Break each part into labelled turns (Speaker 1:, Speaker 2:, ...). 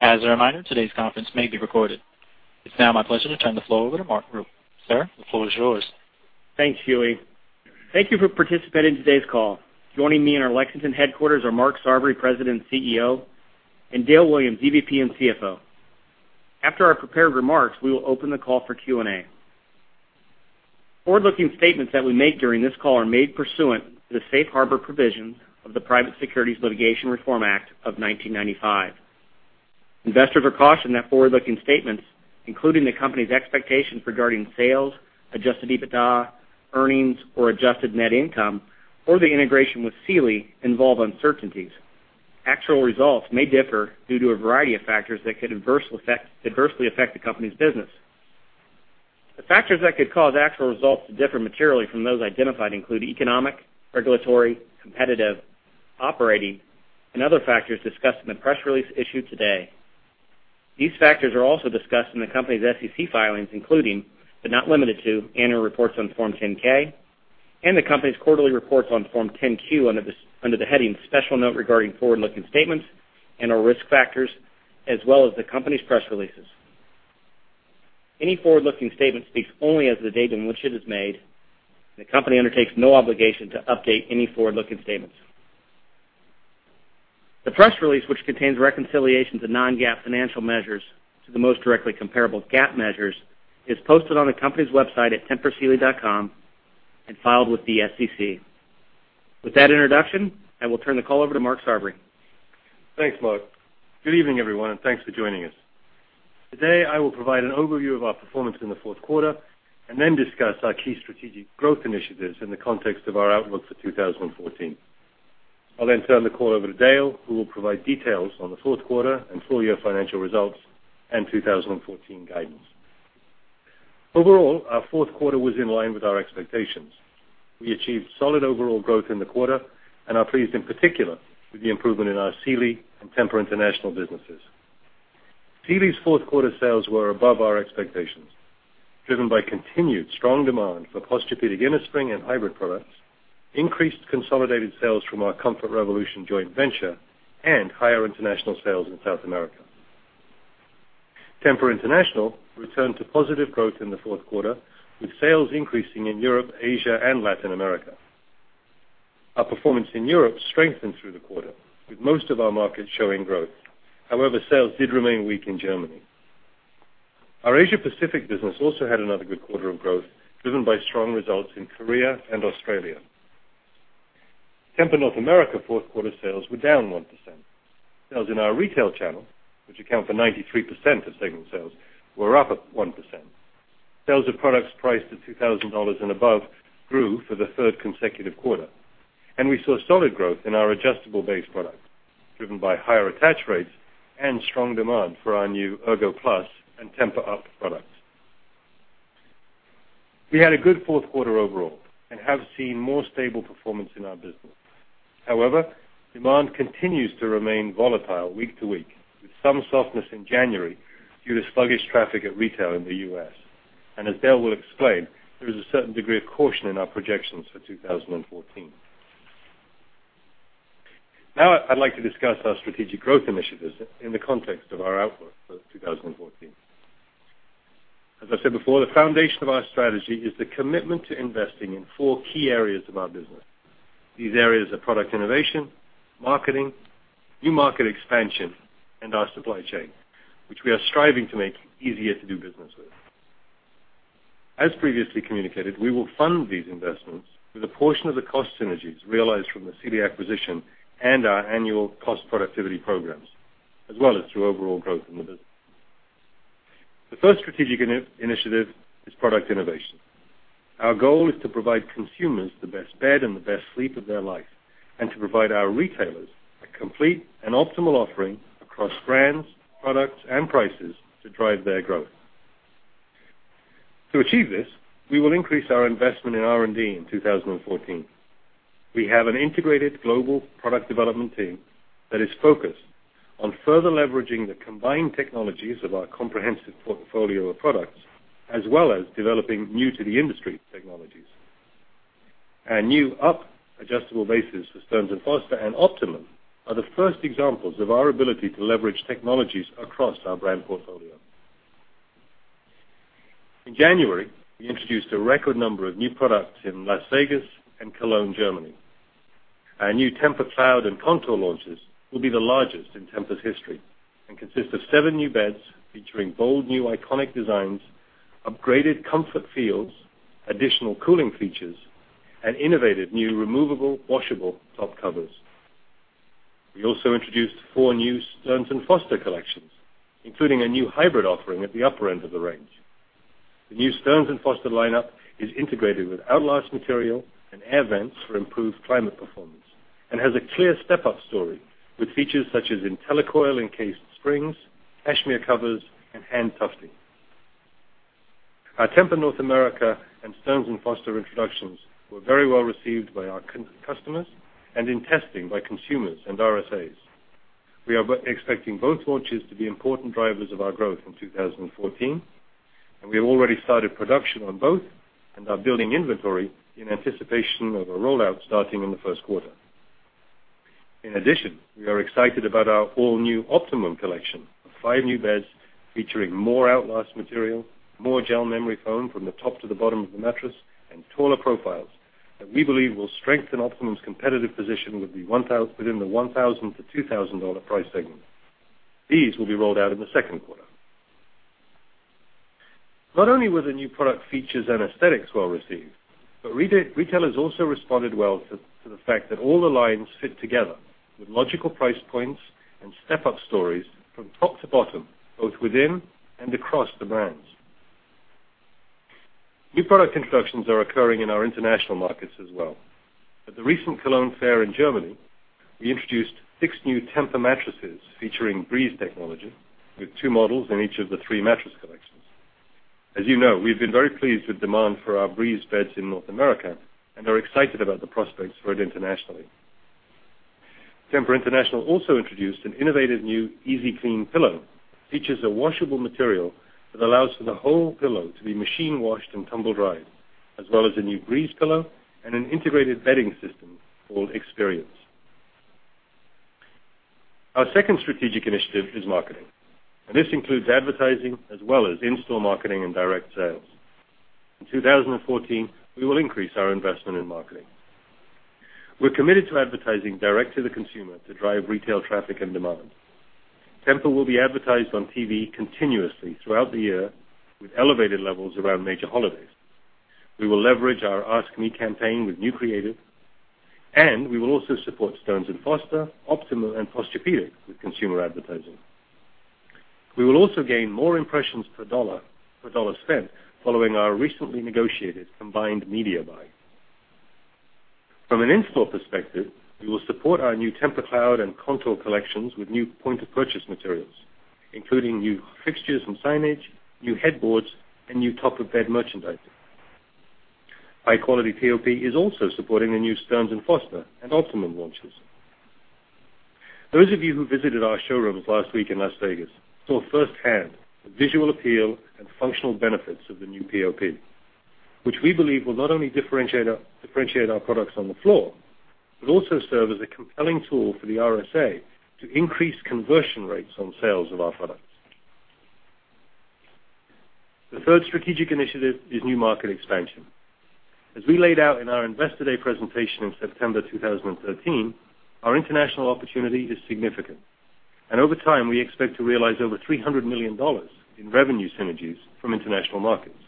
Speaker 1: As a reminder, today's conference may be recorded. It's now my pleasure to turn the floor over to Mark Rupe. Sir, the floor is yours.
Speaker 2: Thanks, Huey. Thank you for participating in today's call. Joining me in our Lexington headquarters are Mark Sarvary, President and CEO, and Dale Williams, EVP and CFO. After our prepared remarks, we will open the call for Q&A. Forward-looking statements that we make during this call are made pursuant to the safe harbor provisions of the Private Securities Litigation Reform Act of 1995. Investors are cautioned that forward-looking statements, including the company's expectations regarding sales, adjusted EBITDA, earnings or adjusted net income, or the integration with Sealy, involve uncertainties. Actual results may differ due to a variety of factors that could adversely affect the company's business. The factors that could cause actual results to differ materially from those identified include economic, regulatory, competitive, operating, and other factors discussed in the press release issued today. These factors are also discussed in the company's SEC filings, including, but not limited to, annual reports on Form 10-K and the company's quarterly reports on Form 10-Q under the heading Special Note regarding forward-looking statements and our risk factors, as well as the company's press releases. The company undertakes no obligation to update any forward-looking statements. The press release, which contains reconciliations of non-GAAP financial measures to the most directly comparable GAAP measures, is posted on the company's website at tempursealy.com and filed with the SEC. With that introduction, I will turn the call over to Mark Sarvary.
Speaker 3: Thanks, Mark. Good evening, everyone, and thanks for joining us. Today, I will provide an overview of our performance in the fourth quarter and then discuss our key strategic growth initiatives in the context of our outlook for 2014. I'll then turn the call over to Dale, who will provide details on the fourth quarter and full-year financial results and 2014 guidance. Overall, our fourth quarter was in line with our expectations. We achieved solid overall growth in the quarter and are pleased in particular with the improvement in our Sealy and Tempur International businesses. Sealy's fourth quarter sales were above our expectations, driven by continued strong demand for Posturepedic innerspring and hybrid products, increased consolidated sales from our Comfort Revolution joint venture, and higher international sales in South America. Tempur International returned to positive growth in the fourth quarter, with sales increasing in Europe, Asia, and Latin America. Our performance in Europe strengthened through the quarter, with most of our markets showing growth. However, sales did remain weak in Germany. Our Asia Pacific business also had another good quarter of growth, driven by strong results in Korea and Australia. Tempur North America fourth-quarter sales were down 1%. Sales in our retail channel, which account for 93% of segment sales, were up at 1%. Sales of products priced at $2,000 and above grew for the third consecutive quarter, and we saw solid growth in our adjustable base products, driven by higher attach rates and strong demand for our new Ergo Plus and TEMPUR-Up products. We had a good fourth quarter overall and have seen more stable performance in our business. However, demand continues to remain volatile week to week, with some softness in January due to sluggish traffic at retail in the U.S. As Dale will explain, there is a certain degree of caution in our projections for 2014. Now, I'd like to discuss our strategic growth initiatives in the context of our outlook for 2014. As I said before, the foundation of our strategy is the commitment to investing in four key areas of our business. These areas are product innovation, marketing, new market expansion, and our supply chain, which we are striving to make easier to do business with. As previously communicated, we will fund these investments with a portion of the cost synergies realized from the Sealy acquisition and our annual cost productivity programs, as well as through overall growth in the business. The first strategic initiative is product innovation. Our goal is to provide consumers the best bed and the best sleep of their life and to provide our retailers a complete and optimal offering across brands, products, and prices to drive their growth. To achieve this, we will increase our investment in R&D in 2014. We have an integrated global product development team that is focused on further leveraging the combined technologies of our comprehensive portfolio of products, as well as developing new-to-the-industry technologies. Our new Up adjustable bases for Stearns & Foster and Optimum are the first examples of our ability to leverage technologies across our brand portfolio. In January, we introduced a record number of new products in Las Vegas and Cologne, Germany. Our new TEMPUR-Cloud and TEMPUR-Contour launches will be the largest in TEMPUR's history and consist of seven new beds featuring bold, new iconic designs, upgraded comfort feels, additional cooling features, and innovative new removable, washable top covers. We also introduced four new Stearns & Foster collections, including a new hybrid offering at the upper end of the range. The new Stearns & Foster lineup is integrated with Outlast material and air vents for improved climate performance and has a clear step-up story with features such as IntelliCoil encased springs, cashmere covers, and hand tufting. Our Tempur North America and Stearns & Foster introductions were very well received by our customers and in testing by consumers and RSAs. We are expecting both launches to be important drivers of our growth in 2014. We have already started production on both and are building inventory in anticipation of a rollout starting in the first quarter. In addition, we are excited about our all-new Optimum collection of five new beds featuring more Outlast material, more gel memory foam from the top to the bottom of the mattress, and taller profiles that we believe will strengthen Optimum's competitive position within the $1,000-$2,000 price segment. These will be rolled out in the second quarter. Retailers also responded well to the fact that all the lines fit together with logical price points and step-up stories from top to bottom, both within and across the brands. New product introductions are occurring in our international markets as well. At the recent Cologne Fair in Germany, we introduced six new Tempur mattresses featuring Breeze technology, with two models in each of the three mattress collections. As you know, we've been very pleased with demand for our Breeze beds in North America and are excited about the prospects for it internationally. Tempur International also introduced an innovative new EasyClean pillow. It features a washable material that allows for the whole pillow to be machine washed and tumble dried, as well as a new Breeze pillow and an integrated bedding system called Experience. Our second strategic initiative is marketing, and this includes advertising as well as in-store marketing and direct sales. In 2014, we will increase our investment in marketing. We're committed to advertising direct to the consumer to drive retail traffic and demand. Tempur will be advertised on TV continuously throughout the year with elevated levels around major holidays. We will leverage our Ask Me campaign with new creative, and we will also support Stearns & Foster, Optimum, and Posturepedic with consumer advertising. We will also gain more impressions per dollar spent following our recently negotiated combined media buy. From an in-store perspective, we will support our new TEMPUR-Cloud and TEMPUR-Contour collections with new point-of-purchase materials, including new fixtures and signage, new headboards, and new top-of-bed merchandising. High-quality POP is also supporting the new Stearns & Foster and Optimum launches. Those of you who visited our showrooms last week in Las Vegas saw firsthand the visual appeal and functional benefits of the new POP, which we believe will not only differentiate our products on the floor, but also serve as a compelling tool for the RSA to increase conversion rates on sales of our products. The third strategic initiative is new market expansion. As we laid out in our Investor Day presentation in September 2013, our international opportunity is significant. Over time, we expect to realize over $300 million in revenue synergies from international markets.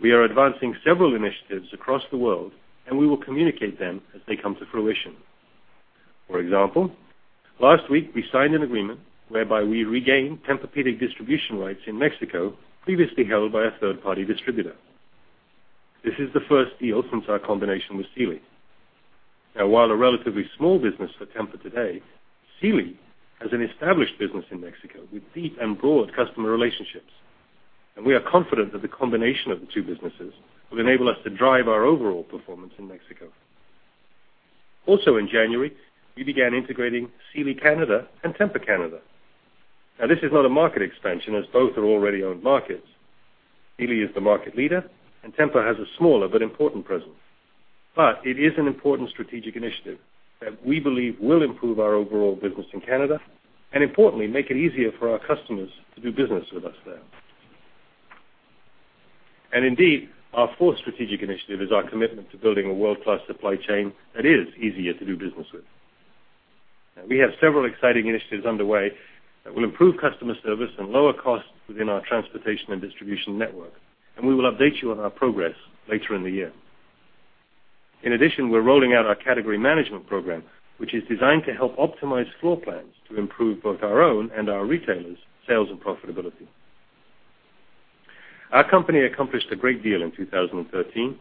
Speaker 3: We are advancing several initiatives across the world, and we will communicate them as they come to fruition. For example, last week, we signed an agreement whereby we regain Tempur-Pedic distribution rights in Mexico, previously held by a third-party distributor. This is the first deal since our combination with Sealy. While a relatively small business for Tempur today, Sealy has an established business in Mexico with deep and broad customer relationships. We are confident that the combination of the two businesses will enable us to drive our overall performance in Mexico. Also in January, we began integrating Sealy Canada and Tempur Canada. This is not a market expansion as both are already owned markets. Sealy is the market leader, Tempur has a smaller but important presence. It is an important strategic initiative that we believe will improve our overall business in Canada and, importantly, make it easier for our customers to do business with us there. Our fourth strategic initiative is our commitment to building a world-class supply chain that is easier to do business with. We have several exciting initiatives underway that will improve customer service and lower costs within our transportation and distribution network, and we will update you on our progress later in the year. In addition, we're rolling out our Category Management Program, which is designed to help optimize floor plans to improve both our own and our retailers' sales and profitability. Our company accomplished a great deal in 2013,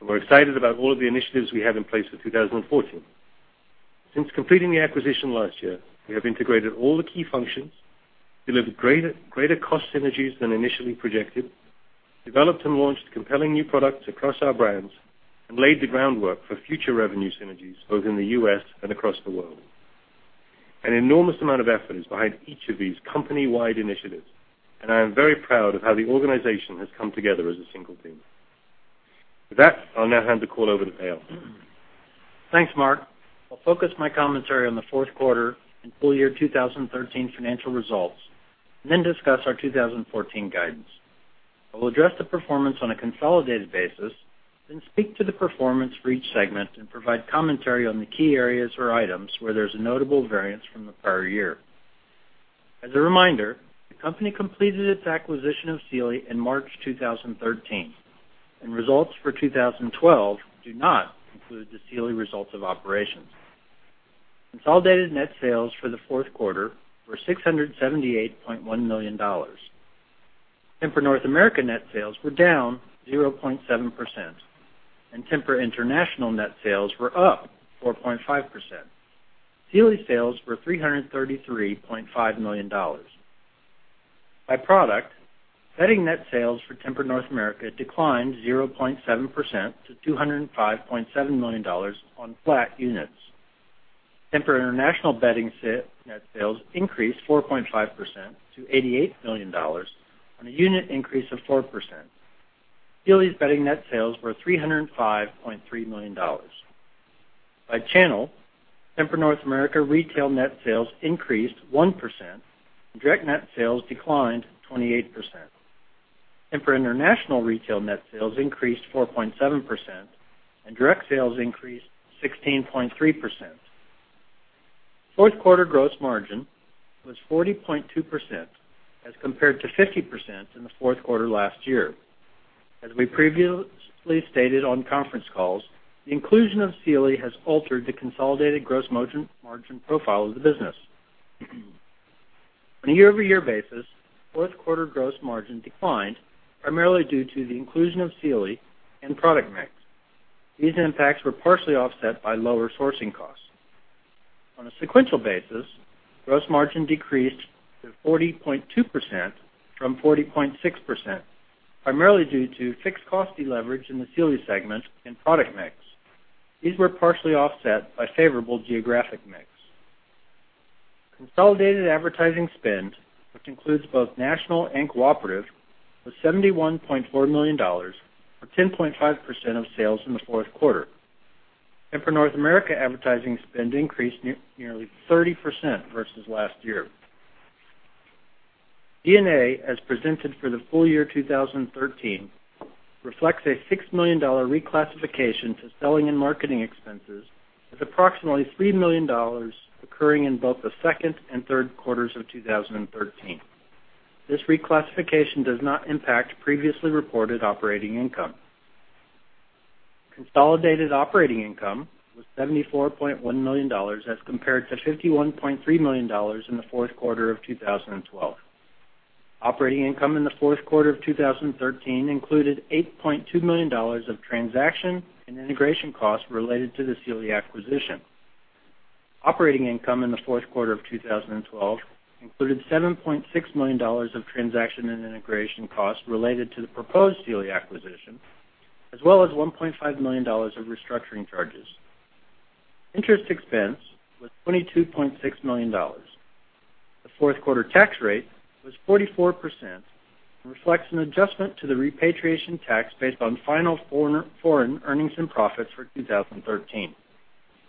Speaker 3: and we're excited about all of the initiatives we have in place for 2014. Since completing the acquisition last year, we have integrated all the key functions, delivered greater cost synergies than initially projected, developed and launched compelling new products across our brands, and laid the groundwork for future revenue synergies both in the U.S. and across the world. An enormous amount of effort is behind each of these company-wide initiatives, and I am very proud of how the organization has come together as a single team. With that, I'll now hand the call over to Dale.
Speaker 4: Thanks, Mark. I'll focus my commentary on the fourth quarter and full year 2013 financial results and then discuss our 2014 guidance. I will address the performance on a consolidated basis, then speak to the performance for each segment and provide commentary on the key areas or items where there's a notable variance from the prior year. As a reminder, the company completed its acquisition of Sealy in March 2013, and results for 2012 do not include the Sealy results of operations. Consolidated net sales for the fourth quarter were $678.1 million. Tempur North America net sales were down 0.7%, Tempur International net sales were up 4.5%. Sealy sales were $333.5 million. By product, bedding net sales for Tempur North America declined 0.7% to $205.7 million on flat units. Tempur International bedding net sales increased 4.5% to $88 million on a unit increase of 4%. Sealy's bedding net sales were $305.3 million. By channel, Tempur North America retail net sales increased 1%, direct net sales declined 28%. Tempur International retail net sales increased 4.7%, direct sales increased 16.3%. Fourth quarter gross margin was 40.2% as compared to 50% in the fourth quarter last year. As we previously stated on conference calls, the inclusion of Sealy has altered the consolidated gross margin profile of the business. On a year-over-year basis, fourth quarter gross margin declined primarily due to the inclusion of Sealy and product mix. These impacts were partially offset by lower sourcing costs. On a sequential basis, gross margin decreased to 40.2% from 40.6%, primarily due to fixed cost deleverage in the Sealy segment and product mix. These were partially offset by favorable geographic mix. Consolidated advertising spend, which includes both national and cooperative, was $71.4 million, or 10.5% of sales in the fourth quarter. Tempur North America advertising spend increased nearly 30% versus last year. D&A, as presented for the full year 2013, reflects a $6 million reclassification to selling and marketing expenses, with approximately $3 million occurring in both the second and third quarters of 2013. This reclassification does not impact previously reported operating income. Consolidated operating income was $74.1 million as compared to $51.3 million in the fourth quarter of 2012. Operating income in the fourth quarter of 2013 included $8.2 million of transaction and integration costs related to the Sealy acquisition. Operating income in the fourth quarter of 2012 included $7.6 million of transaction and integration costs related to the proposed Sealy acquisition, as well as $1.5 million of restructuring charges. Interest expense was $22.6 million. The fourth quarter tax rate was 44% and reflects an adjustment to the repatriation tax based on final foreign earnings and profits for 2013.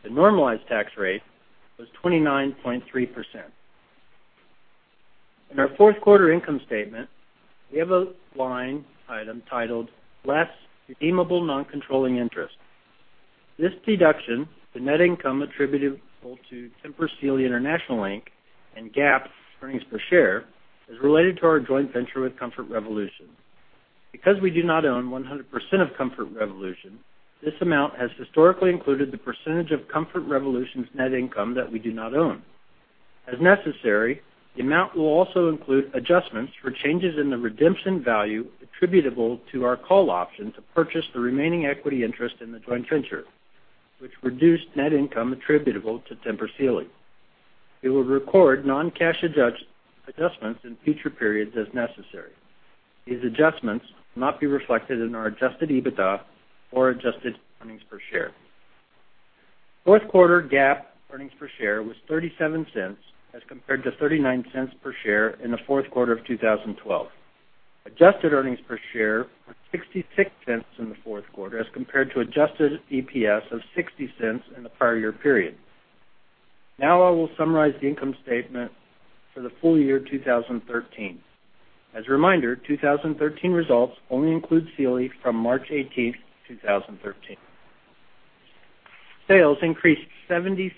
Speaker 4: The normalized tax rate was 29.3%. In our fourth quarter income statement, we have a line item titled "Less Redeemable Noncontrolling Interest." This deduction to net income attributable to Tempur Sealy International Inc. and GAAP earnings per share is related to our joint venture with Comfort Revolution. Because we do not own 100% of Comfort Revolution, this amount has historically included the percentage of Comfort Revolution's net income that we do not own. As necessary, the amount will also include adjustments for changes in the redemption value attributable to our call option to purchase the remaining equity interest in the joint venture, which reduced net income attributable to Tempur Sealy. We will record non-cash adjustments in future periods as necessary. These adjustments will not be reflected in our adjusted EBITDA or adjusted earnings per share. Fourth quarter GAAP earnings per share was $0.37 as compared to $0.39 per share in the fourth quarter of 2012. Adjusted earnings per share were $0.66 in the fourth quarter as compared to adjusted EPS of $0.60 in the prior year period. I will summarize the income statement for the full year 2013. As a reminder, 2013 results only include Sealy from March 18th, 2013. Sales increased 76%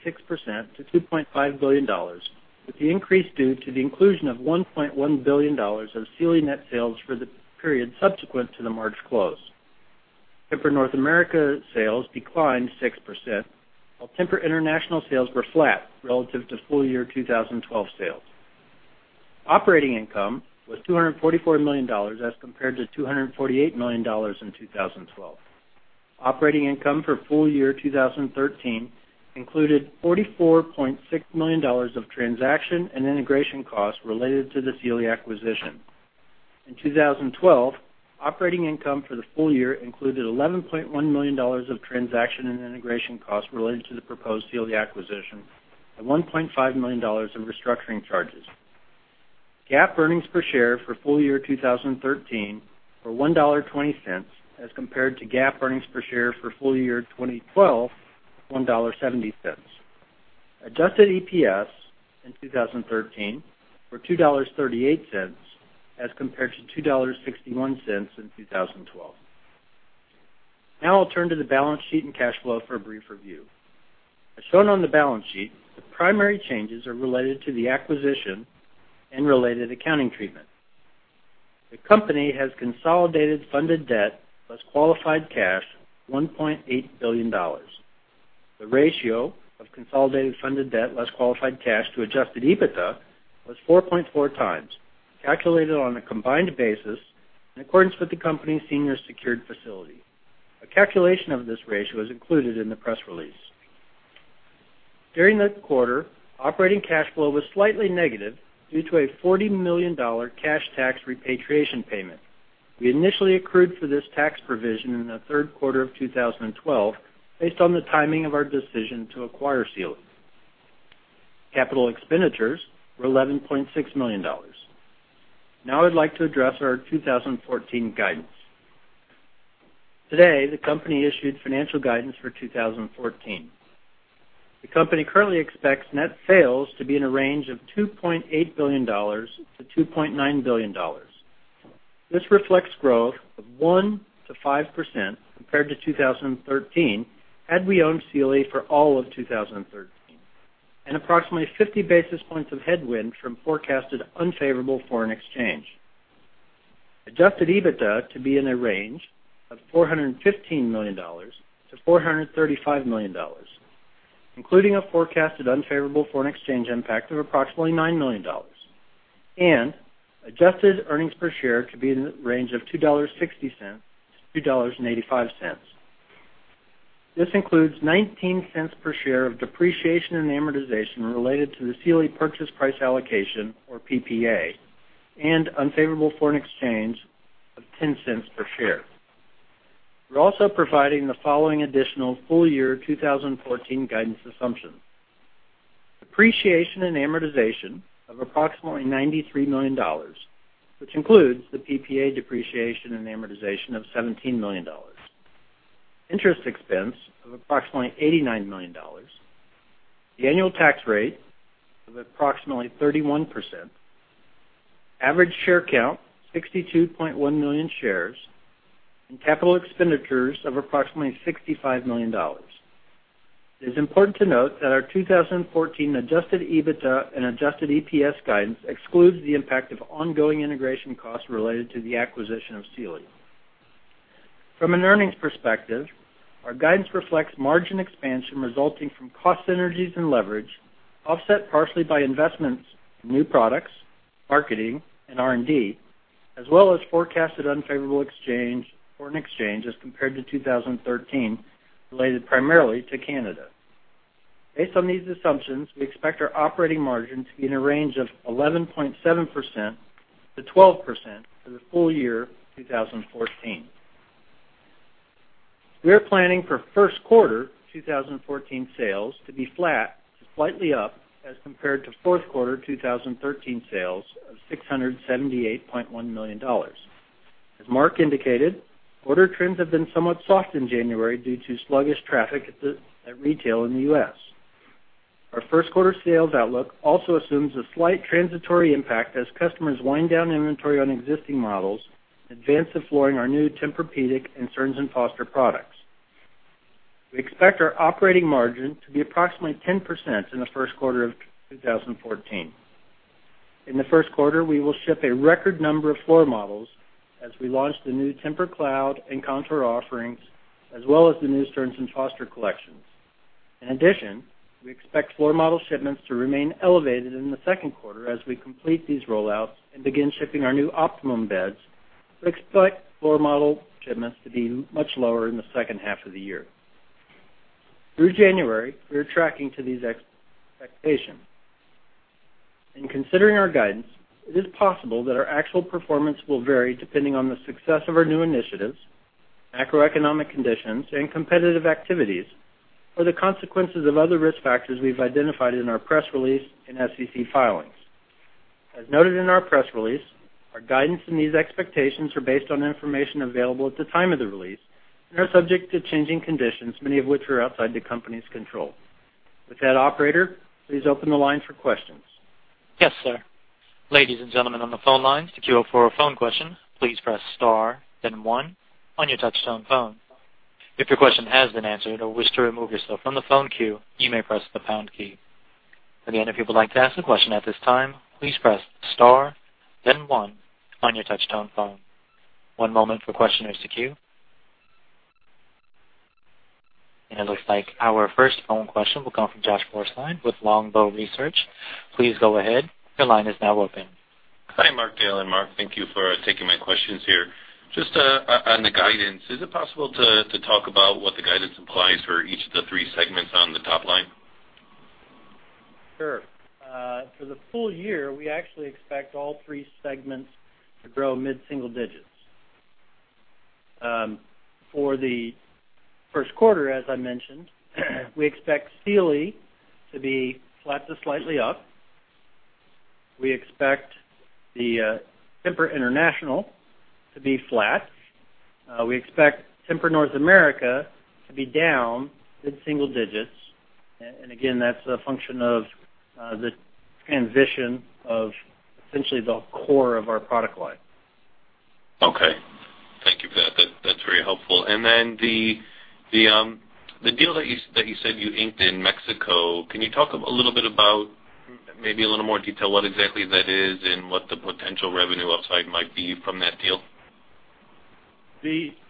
Speaker 4: to $2.5 billion, with the increase due to the inclusion of $1.1 billion of Sealy net sales for the period subsequent to the March close. Tempur North America sales declined 6%, while Tempur International sales were flat relative to full year 2012 sales. Operating income was $244 million as compared to $248 million in 2012. Operating income for full year 2013 included $44.6 million of transaction and integration costs related to the Sealy acquisition. In 2012, operating income for the full year included $11.1 million of transaction and integration costs related to the proposed Sealy acquisition and $1.5 million of restructuring charges. GAAP earnings per share for full year 2013 were $1.20 as compared to GAAP earnings per share for full year 2012, $1.70. Adjusted EPS in 2013 were $2.38 as compared to $2.61 in 2012. I'll turn to the balance sheet and cash flow for a brief review. As shown on the balance sheet, the primary changes are related to the acquisition and related accounting treatment. The company has consolidated funded debt plus qualified cash, $1.8 billion. The ratio of consolidated funded debt less qualified cash to adjusted EBITDA was 4.4 times, calculated on a combined basis in accordance with the company's senior secured facility. A calculation of this ratio is included in the press release. During the quarter, operating cash flow was slightly negative due to a $40 million cash tax repatriation payment. We initially accrued for this tax provision in the third quarter of 2012, based on the timing of our decision to acquire Sealy. Capital expenditures were $11.6 million. I'd like to address our 2014 guidance. Today, the company issued financial guidance for 2014. The company currently expects net sales to be in a range of $2.8 billion-$2.9 billion. This reflects growth of 1%-5% compared to 2013, had we owned Sealy for all of 2013, and approximately 50 basis points of headwind from forecasted unfavorable foreign exchange. Adjusted EBITDA to be in a range of $415 million-$435 million, including a forecasted unfavorable foreign exchange impact of approximately $9 million. Adjusted earnings per share to be in the range of $2.60-$2.85. This includes $0.19 per share of depreciation and amortization related to the Sealy purchase price allocation, or PPA, and unfavorable foreign exchange of $0.10 per share. We're also providing the following additional full-year 2014 guidance assumptions. Depreciation and amortization of approximately $93 million, which includes the PPA depreciation and amortization of $17 million. Interest expense of approximately $89 million. The annual tax rate of approximately 31%. Average share count, 62.1 million shares, and capital expenditures of approximately $65 million. It is important to note that our 2014 adjusted EBITDA and adjusted EPS guidance excludes the impact of ongoing integration costs related to the acquisition of Sealy. From an earnings perspective, our guidance reflects margin expansion resulting from cost synergies and leverage, offset partially by investments in new products, marketing, and R&D, as well as forecasted unfavorable foreign exchange as compared to 2013, related primarily to Canada. Based on these assumptions, we expect our operating margin to be in a range of 11.7%-12% for the full year 2014. We are planning for first quarter 2014 sales to be flat to slightly up as compared to fourth quarter 2013 sales of $678.1 million. As Mark indicated, order trends have been somewhat soft in January due to sluggish traffic at retail in the U.S. Our first quarter sales outlook also assumes a slight transitory impact as customers wind down inventory on existing models in advance of flooring our new Tempur-Pedic and Stearns & Foster products. We expect our operating margin to be approximately 10% in the first quarter of 2014. In the first quarter, we will ship a record number of floor models as we launch the new TEMPUR-Cloud and Contour offerings, as well as the new Stearns & Foster collections. In addition, we expect floor model shipments to remain elevated in the second quarter as we complete these rollouts and begin shipping our new Optimum beds. We expect floor model shipments to be much lower in the second half of the year. Through January, we are tracking to these expectations. In considering our guidance, it is possible that our actual performance will vary depending on the success of our new initiatives, macroeconomic conditions, and competitive activities, or the consequences of other risk factors we've identified in our press release and SEC filings. As noted in our press release, our guidance and these expectations are based on information available at the time of the release and are subject to changing conditions, many of which are outside the company's control. With that, operator, please open the line for questions.
Speaker 1: Yes, sir. Ladies and gentlemen on the phone lines, to queue up for a phone question, please press star then one on your touch-tone phone. If your question has been answered or wish to remove yourself from the phone queue, you may press the pound key. Again, if you would like to ask a question at this time, please press star then one on your touch-tone phone. One moment for questioners to queue. It looks like our first phone question will come from Joshua Borstein with Longbow Research. Please go ahead. Your line is now open.
Speaker 5: Hi, Mark, Dale, and Mark. Thank you for taking my questions here. Just on the guidance, is it possible to talk about what the guidance implies for each of the three segments on the top line?
Speaker 4: Sure. For the full year, we actually expect all three segments to grow mid-single digits. For the first quarter, as I mentioned, we expect Sealy to be flat to slightly up. We expect Tempur International to be flat. We expect Tempur North America to be down mid-single digits. Again, that's a function of the transition of essentially the core of our product line.
Speaker 5: Thank you for that. That's very helpful. The deal that you said you inked in Mexico, can you talk a little bit about maybe a little more detail, what exactly that is and what the potential revenue upside might be from that deal?
Speaker 3: For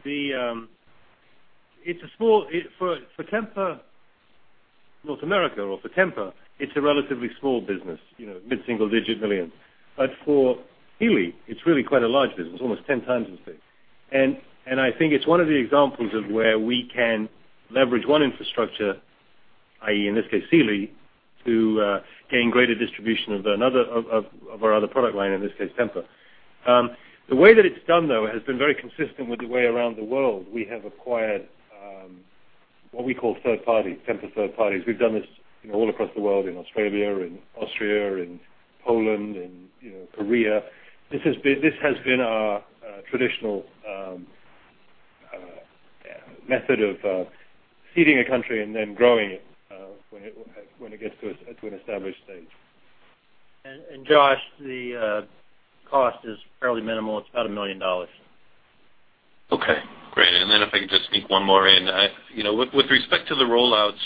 Speaker 3: Tempur North America or for Tempur, it's a relatively small business, mid-single digit millions. For Sealy, it's really quite a large business, almost 10 times the size. I think it's one of the examples of where we can leverage one infrastructure I.E., in this case, Sealy, to gain greater distribution of our other product line, in this case, Tempur. The way that it's done, though, has been very consistent with the way around the world we have acquired what we call third party, Tempur third parties. We've done this all across the world, in Australia, in Austria, in Poland, in Korea. This has been our traditional method of seeding a country and then growing it when it gets to an established state.
Speaker 4: Josh, the cost is fairly minimal. It's about $1 million.
Speaker 5: Okay, great. If I could just sneak one more in. With respect to the rollouts,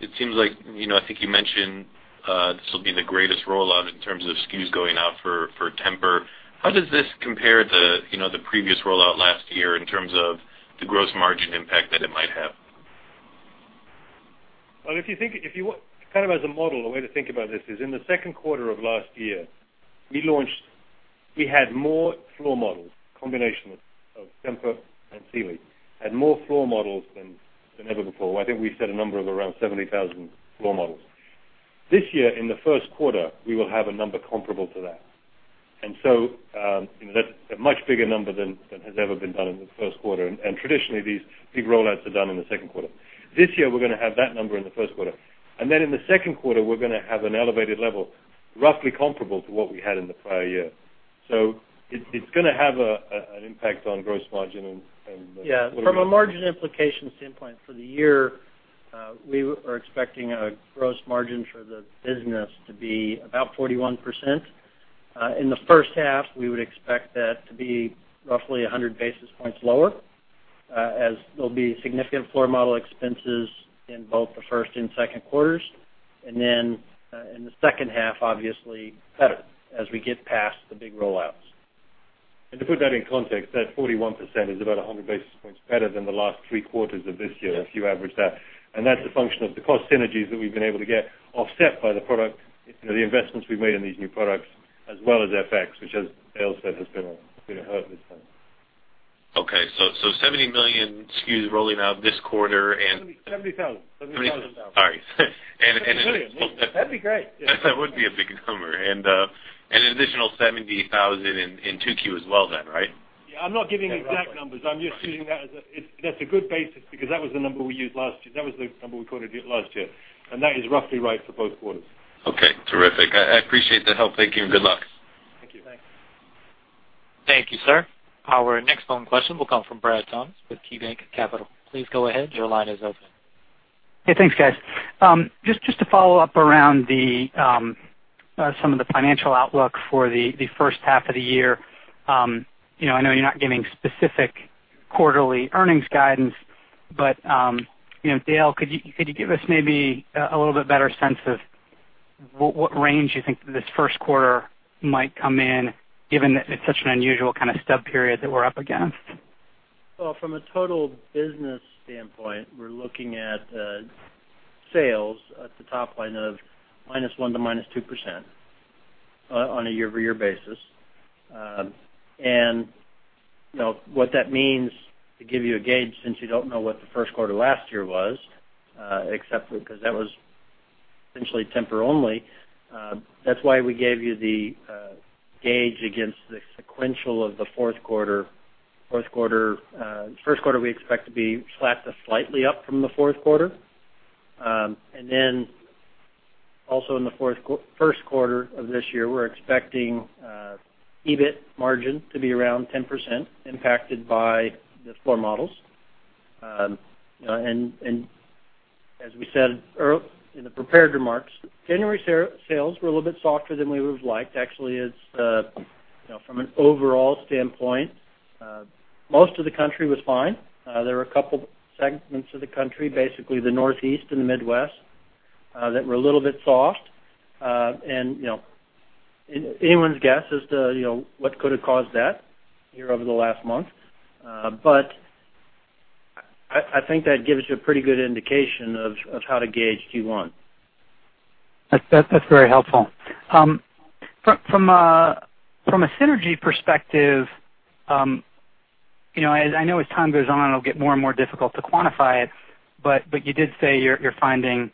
Speaker 5: it seems like, I think you mentioned this will be the greatest rollout in terms of SKUs going out for Tempur. How does this compare to the previous rollout last year in terms of the gross margin impact that it might have?
Speaker 3: Well, kind of as a model, the way to think about this is in the second quarter of last year, we had more floor models, combination of Tempur and Sealy, had more floor models than ever before. I think we said a number of around 70,000 floor models. This year, in the first quarter, we will have a number comparable to that. That's a much bigger number than has ever been done in the first quarter. Traditionally, these big rollouts are done in the second quarter. This year, we're going to have that number in the first quarter. Then in the second quarter, we're going to have an elevated level, roughly comparable to what we had in the prior year. It's going to have an impact on gross margin and-
Speaker 4: Yeah. From a margin implication standpoint, for the year, we are expecting a gross margin for the business to be about 41%. In the first half, we would expect that to be roughly 100 basis points lower, as there'll be significant floor model expenses in both the first and second quarters. Then, in the second half, obviously, better as we get past the big rollouts.
Speaker 3: To put that in context, that 41% is about 100 basis points better than the last three quarters of this year, if you average that. That's a function of the cost synergies that we've been able to get offset by the investments we've made in these new products, as well as FX, which as Dale said, has been a hurt this time.
Speaker 5: Okay. 70 million SKUs rolling out this quarter and-
Speaker 3: 70,000.
Speaker 5: Sorry.
Speaker 3: $70 million. That would be great.
Speaker 5: That would be a big number. An additional $70,000 in 2Q as well then, right?
Speaker 3: Yeah, I'm not giving exact numbers. I'm just using that. That's a good basis because that was the number we quoted last year. That is roughly right for both quarters.
Speaker 5: Okay, terrific. I appreciate the help. Thank you, and good luck.
Speaker 3: Thank you.
Speaker 4: Thanks.
Speaker 1: Thank you, sir. Our next phone question will come from Brad Thomas with KeyBanc Capital. Please go ahead. Your line is open.
Speaker 6: Hey, thanks, guys. Just to follow up around some of the financial outlook for the first half of the year. I know you're not giving specific quarterly earnings guidance. Dale, could you give us maybe a little bit better sense of what range you think this first quarter might come in, given that it's such an unusual kind of stub period that we're up against?
Speaker 4: Well, from a total business standpoint, we're looking at sales at the top line of -1% to -2% on a year-over-year basis. What that means, to give you a gauge, since you don't know what the first quarter last year was, except for because that was essentially Tempur only, that's why we gave you the gauge against the sequential of the fourth quarter. First quarter, we expect to be slightly up from the fourth quarter. Also in the first quarter of this year, we're expecting EBIT margin to be around 10%, impacted by the floor models. As we said in the prepared remarks, January sales were a little bit softer than we would've liked. Actually, from an overall standpoint, most of the country was fine. There were a couple segments of the country, basically the Northeast and the Midwest, that were a little bit soft. Anyone's guess as to what could have caused that here over the last month. I think that gives you a pretty good indication of how to gauge Q1.
Speaker 6: That's very helpful. From a synergy perspective, I know as time goes on, it'll get more and more difficult to quantify it, you did say you're finding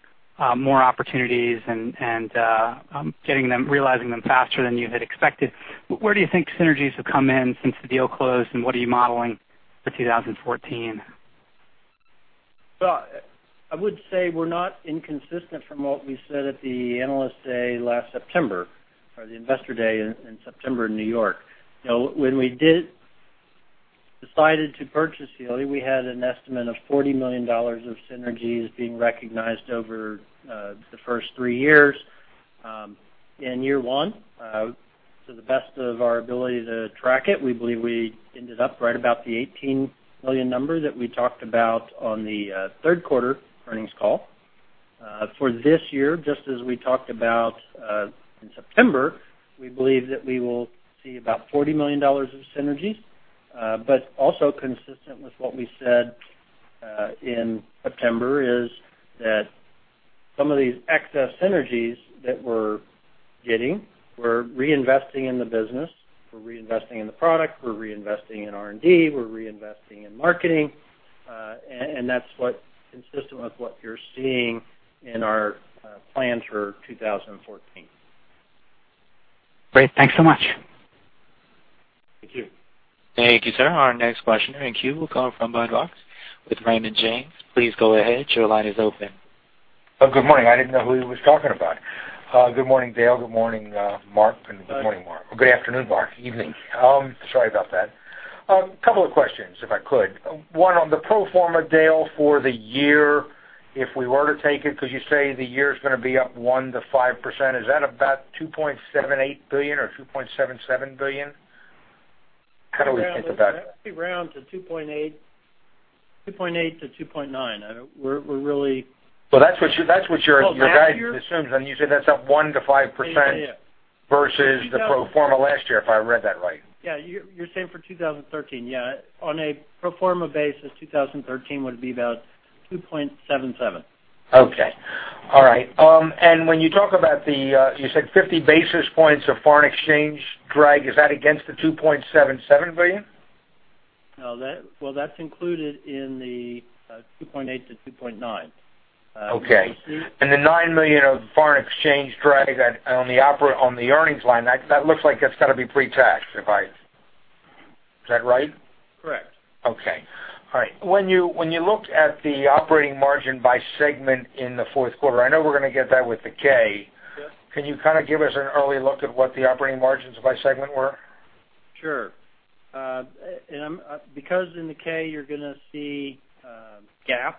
Speaker 6: more opportunities and realizing them faster than you had expected. Where do you think synergies have come in since the deal closed, what are you modeling for 2014?
Speaker 4: Well, I would say we're not inconsistent from what we said at the Investor Day in September in New York. When we decided to purchase Sealy, we had an estimate of $40 million of synergies being recognized over the first three years. In year one, to the best of our ability to track it, we believe we ended up right about the $18 million number that we talked about on the third quarter earnings call. For this year, just as we talked about in September, we believe that we will see about $40 million of synergies. Also consistent with what we said in September is that some of these excess synergies that were Getting, we're reinvesting in the business. We're reinvesting in the product, we're reinvesting in R&D, we're reinvesting in marketing. That's what consistent with what you're seeing in our plan for 2014.
Speaker 6: Great. Thanks so much.
Speaker 4: Thank you.
Speaker 1: Thank you, sir. Our next question in queue will come from Budd Bugatch with Raymond James. Please go ahead. Your line is open.
Speaker 7: Good morning. I didn't know who he was talking about. Good morning, Dale. Good morning, Mark.
Speaker 4: Good morning.
Speaker 7: Good afternoon, Mark. Evening. Sorry about that. Couple of questions, if I could. One on the pro forma, Dale, for the year, if we were to take it, because you say the year is going to be up 1%-5%, is that about $2.78 billion or $2.77 billion? How do we think about that?
Speaker 4: I'd say round to $2.8 billion to $2.9 billion.
Speaker 7: That's what your-
Speaker 4: Last year-
Speaker 7: Your guidance assumes, and you said that's up 1%-5%.
Speaker 4: Yes
Speaker 7: versus the pro forma last year, if I read that right.
Speaker 4: Yeah. You're saying for 2013. Yeah. On a pro forma basis, 2013 would be about $2.77.
Speaker 7: Okay. All right. When you talk about you said 50 basis points of foreign exchange drag, is that against the $2.77 billion?
Speaker 4: Well, that's included in the $2.8-$2.9.
Speaker 7: Okay. The $9 million of foreign exchange drag on the earnings line, that looks like that's got to be pre-tax. Is that right?
Speaker 4: Correct.
Speaker 7: Okay. All right. When you looked at the operating margin by segment in the fourth quarter, I know we're going to get that with the K.
Speaker 4: Yes.
Speaker 7: Can you kind of give us an early look at what the operating margins by segment were?
Speaker 4: Sure. Because in the K, you're going to see GAAP,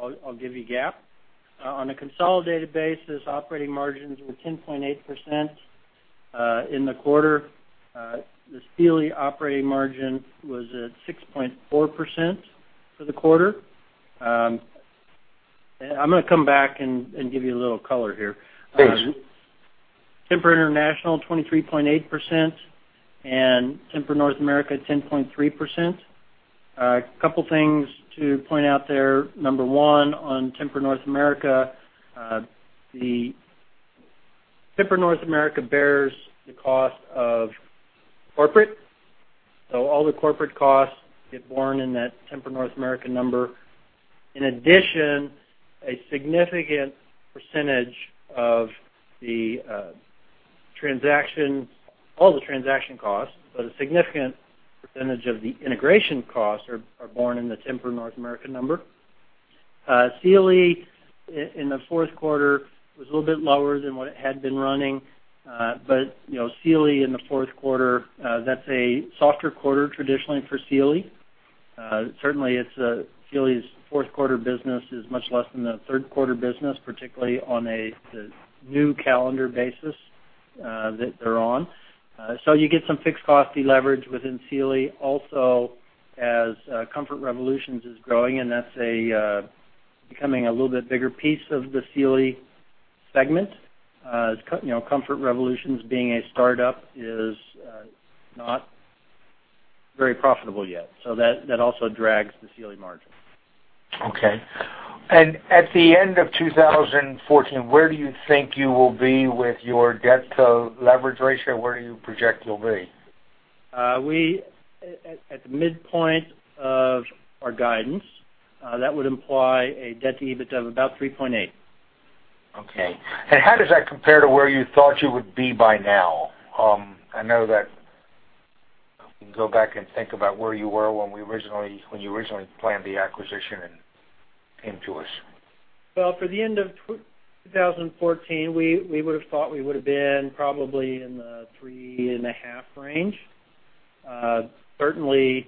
Speaker 4: I'll give you GAAP. On a consolidated basis, operating margins were 10.8% in the quarter. The Sealy operating margin was at 6.4% for the quarter. I'm going to come back and give you a little color here.
Speaker 7: Please.
Speaker 4: Tempur International, 23.8%, and Tempur North America, 10.3%. A couple things to point out there. Number one, on Tempur North America. Tempur North America bears the cost of corporate. All the corporate costs get borne in that Tempur North America number. In addition, a significant percentage of the transaction, all the transaction costs, but a significant percentage of the integration costs are borne in the Tempur North American number. Sealy in the fourth quarter was a little bit lower than what it had been running. Sealy in the fourth quarter, that's a softer quarter traditionally for Sealy. Certainly Sealy's fourth quarter business is much less than the third quarter business, particularly on a new calendar basis that they're on. You get some fixed cost deleverage within Sealy. Also, as Comfort Revolution is growing, and that's becoming a little bit bigger piece of the Sealy segment. Comfort Revolution being a startup is not very profitable yet, that also drags the Sealy margin.
Speaker 7: Okay. At the end of 2014, where do you think you will be with your debt leverage ratio? Where do you project you'll be?
Speaker 4: At the midpoint of our guidance, that would imply a debt to EBIT of about 3.8.
Speaker 7: Okay. How does that compare to where you thought you would be by now? I know that we can go back and think about where you were when you originally planned the acquisition and came to us.
Speaker 4: Well, for the end of 2014, we would've thought we would've been probably in the 3.5 range. Certainly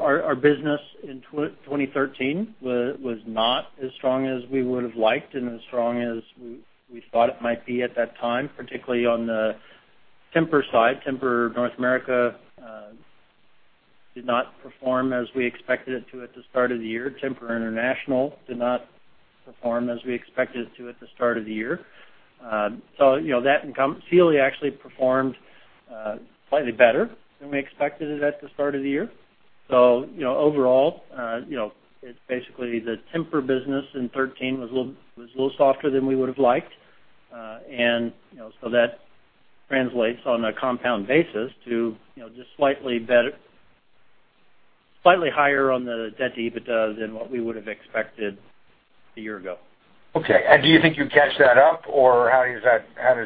Speaker 4: our business in 2013 was not as strong as we would've liked and as strong as we thought it might be at that time, particularly on the Tempur side. Tempur North America did not perform as we expected it to at the start of the year. Tempur International did not perform as we expected it to at the start of the year. Sealy actually performed slightly better than we expected it at the start of the year. Overall it's basically the Tempur business in 2013 was a little softer than we would've liked. That translates on a compound basis to just slightly higher on the debt to EBITDA than what we would've expected a year ago.
Speaker 7: Okay. Do you think you catch that up, or how does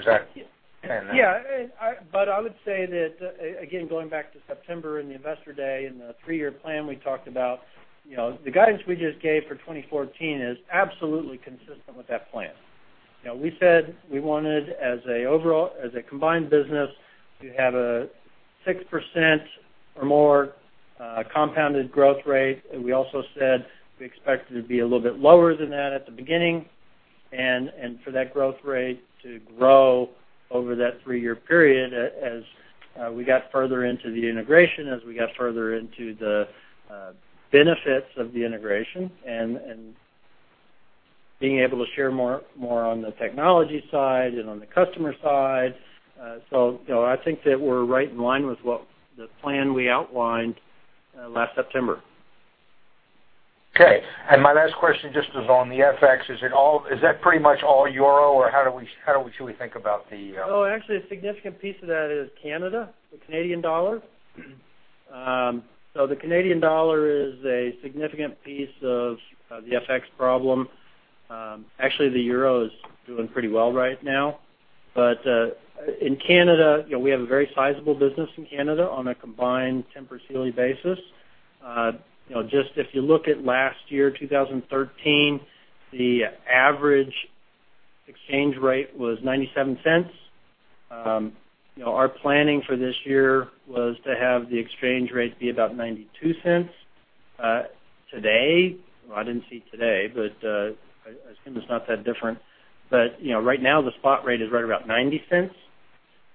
Speaker 7: that stand then?
Speaker 4: But I would say that, again, going back to September in the Investor Day and the three-year plan we talked about, the guidance we just gave for 2014 is absolutely consistent with that plan. We said we wanted as a combined business to have a 6% or more compounded growth rate. We also said we expected to be a little bit lower than that at the beginning and for that growth rate to grow over that three-year period as we got further into the integration, as we got further into the benefits of the integration and being able to share more on the technology side and on the customer side. I think that we are right in line with the plan we outlined last September.
Speaker 7: My last question just is on the FX. Is that pretty much all EUR, or how should we think about the-
Speaker 4: Actually, a significant piece of that is Canada, the Canadian dollar. The Canadian dollar is a significant piece of the FX problem. Actually, the EUR is doing pretty well right now. But in Canada, we have a very sizable business in Canada on a combined Tempur Sealy basis. Just if you look at last year, 2013, the average exchange rate was $0.97. Our planning for this year was to have the exchange rate be about $0.92. Today, well, I didn't see today, but I assume it's not that different. But right now the spot rate is right around $0.90.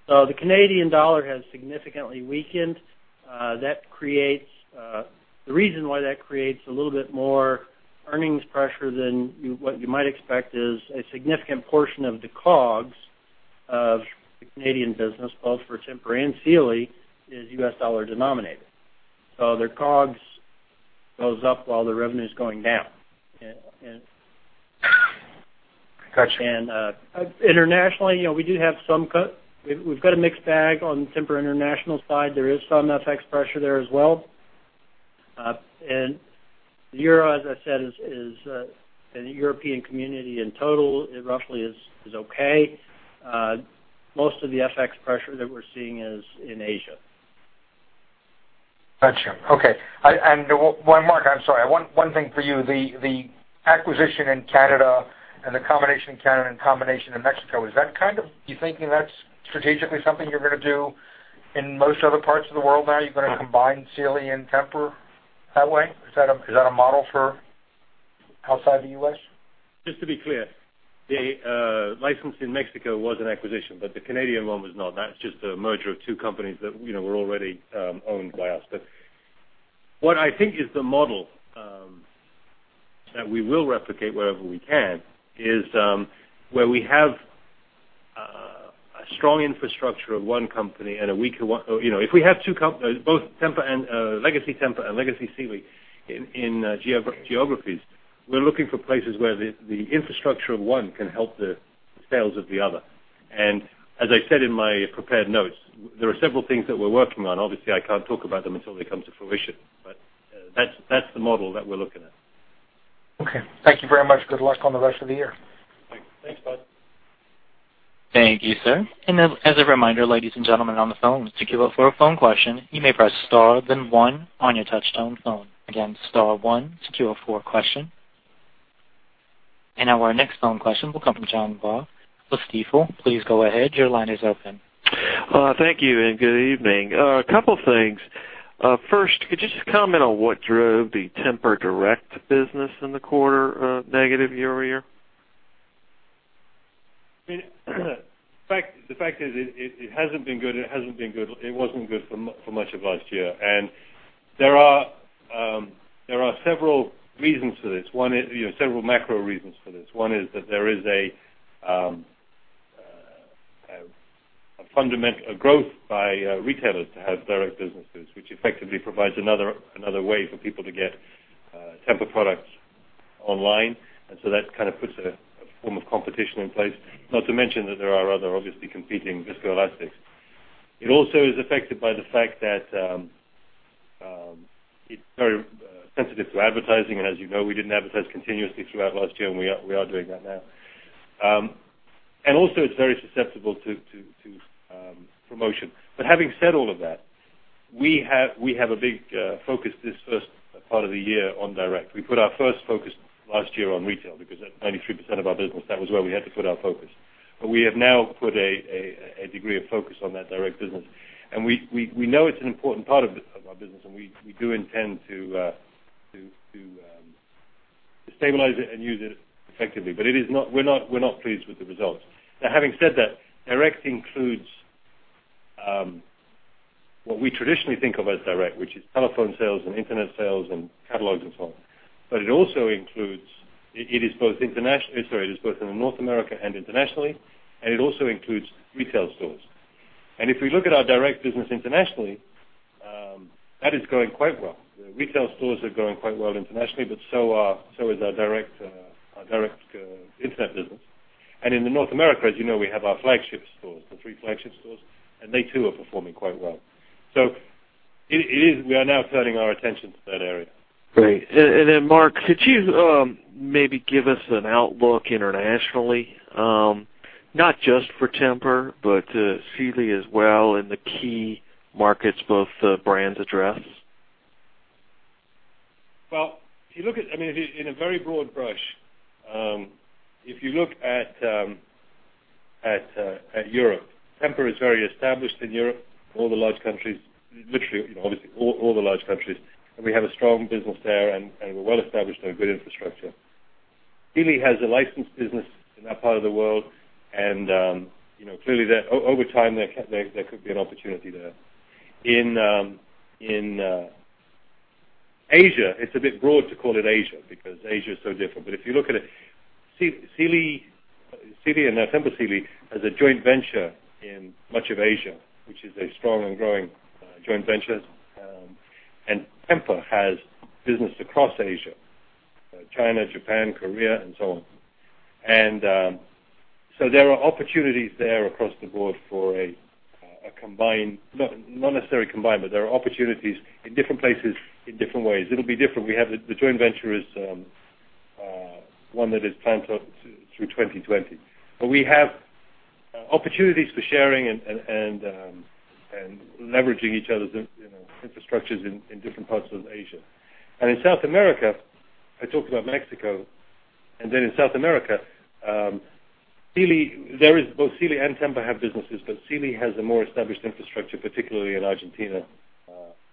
Speaker 4: The Canadian dollar has significantly weakened. The reason why that creates a little bit more earnings pressure than what you might expect is a significant portion of the COGS of the Canadian business, both for Tempur and Sealy, is U.S. dollar denominated. Their COGS goes up while the revenue's going down.
Speaker 7: Got you.
Speaker 4: Internationally, we've got a mixed bag on Tempur International side. There is some FX pressure there as well. The euro, as I said, and the European community in total, it roughly is okay. Most of the FX pressure that we're seeing is in Asia.
Speaker 7: Got you. Okay. Mark, I'm sorry, one thing for you, the acquisition in Canada and the combination in Canada and combination in Mexico, you thinking that's strategically something you're gonna do in most other parts of the world now? You're gonna combine Sealy and Tempur that way? Is that a model for outside the U.S.?
Speaker 3: Just to be clear, the license in Mexico was an acquisition, the Canadian one was not. That's just a merger of two companies that were already owned by us. What I think is the model that we will replicate wherever we can is where we have a strong infrastructure of one company and a weaker one. If we have both legacy Tempur and legacy Sealy in geographies, we're looking for places where the infrastructure of one can help the sales of the other. As I said in my prepared notes, there are several things that we're working on. Obviously, I can't talk about them until they come to fruition. That's the model that we're looking at.
Speaker 7: Okay. Thank you very much. Good luck on the rest of the year.
Speaker 3: Thanks.
Speaker 4: Thanks, Bud.
Speaker 1: Thank you, sir. Then as a reminder, ladies and gentlemen on the phone, to queue up for a phone question, you may press star then one on your touchtone phone. Again, star one to queue up for a question. Now our next phone question will come from John Baugh with Stifel. Please go ahead. Your line is open.
Speaker 8: Thank you. Good evening. A couple things. First, could you just comment on what drove the Tempur direct business in the quarter negative year-over-year?
Speaker 3: I mean, the fact is it hasn't been good. It wasn't good for much of last year. There are several macro reasons for this. One is that there is a growth by retailers to have direct businesses, which effectively provides another way for people to get Tempur products online. That kind of puts a form of competition in place. Not to mention that there are other, obviously, competing visco elastics. It also is affected by the fact that it's very sensitive to advertising. As you know, we didn't advertise continuously throughout last year, and we are doing that now. Also, it's very susceptible to promotion. Having said all of that, we have a big focus this first part of the year on direct. We put our first focus last year on retail, because at 93% of our business, that was where we had to put our focus. We have now put a degree of focus on that direct business. We know it's an important part of our business, and we do intend to stabilize it and use it effectively. We're not pleased with the results. Now, having said that, direct includes what we traditionally think of as direct, which is telephone sales and internet sales and catalogs and so on. It is both in North America and Internationally, and it also includes retail stores. If we look at our direct business Internationally, that is growing quite well. The retail stores are growing quite well Internationally, but so is our direct internet business. In North America, as you know, we have our flagship stores, the three flagship stores, and they too, are performing quite well. We are now turning our attention to that area.
Speaker 8: Great. Mark, could you maybe give us an outlook Internationally, not just for Tempur, but Sealy as well in the key markets both brands address?
Speaker 3: In a very broad brush, if you look at Europe, Tempur is very established in Europe, all the large countries. Literally, obviously, all the large countries. We have a strong business there, and we're well established and a good infrastructure. Sealy has a licensed business in that part of the world, clearly over time, there could be an opportunity there. In Asia, it's a bit broad to call it Asia, because Asia's so different. If you look at it, Sealy and now Tempur Sealy has a joint venture in much of Asia, which is a strong and growing joint venture. Tempur has business across Asia, China, Japan, Korea, and so on. There are opportunities there across the board for a combined, not necessarily combined, but there are opportunities in different places in different ways. It'll be different. We have the joint venture is one that is planned through 2020. We have opportunities for sharing and leveraging each other's infrastructures in different parts of Asia. In South America, I talked about Mexico, then in South America, both Sealy and Tempur have businesses, but Sealy has a more established infrastructure, particularly in Argentina,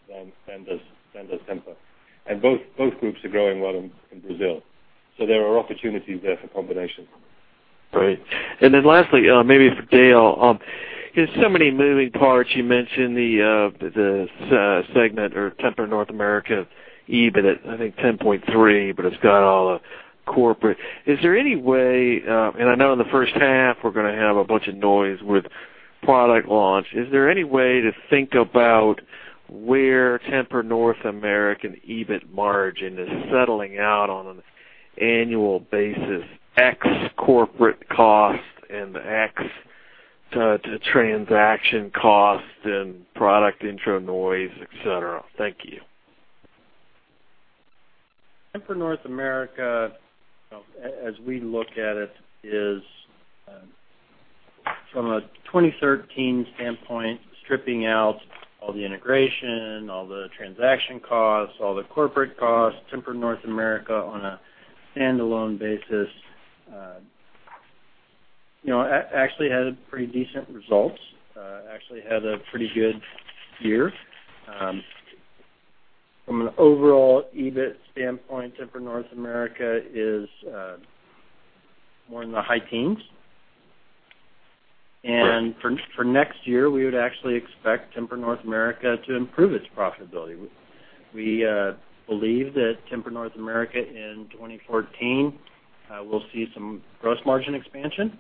Speaker 3: than does Tempur. Both groups are growing well in Brazil. There are opportunities there for combination.
Speaker 8: Great. Lastly, maybe for Dale. There's so many moving parts. You mentioned the segment or Tempur North America, EBIT at, I think, 10.3, but it's got all the corporate. I know in the first half we're going to have a bunch of noise with product launch. Is there any way to think about where Tempur North American EBIT margin is settling out on an annual basis, X corporate cost and X transaction cost and product intro noise, et cetera? Thank you.
Speaker 4: Tempur North America, as we look at it, is from a 2013 standpoint, stripping out all the integration, all the transaction costs, all the corporate costs, Tempur North America on a standalone basis actually had pretty decent results, had a pretty good year. From an overall EBIT standpoint, Tempur North America is more in the high teens.
Speaker 8: Great.
Speaker 4: For next year, we would actually expect Tempur North America to improve its profitability. We believe that Tempur North America in 2014 will see some gross margin expansion.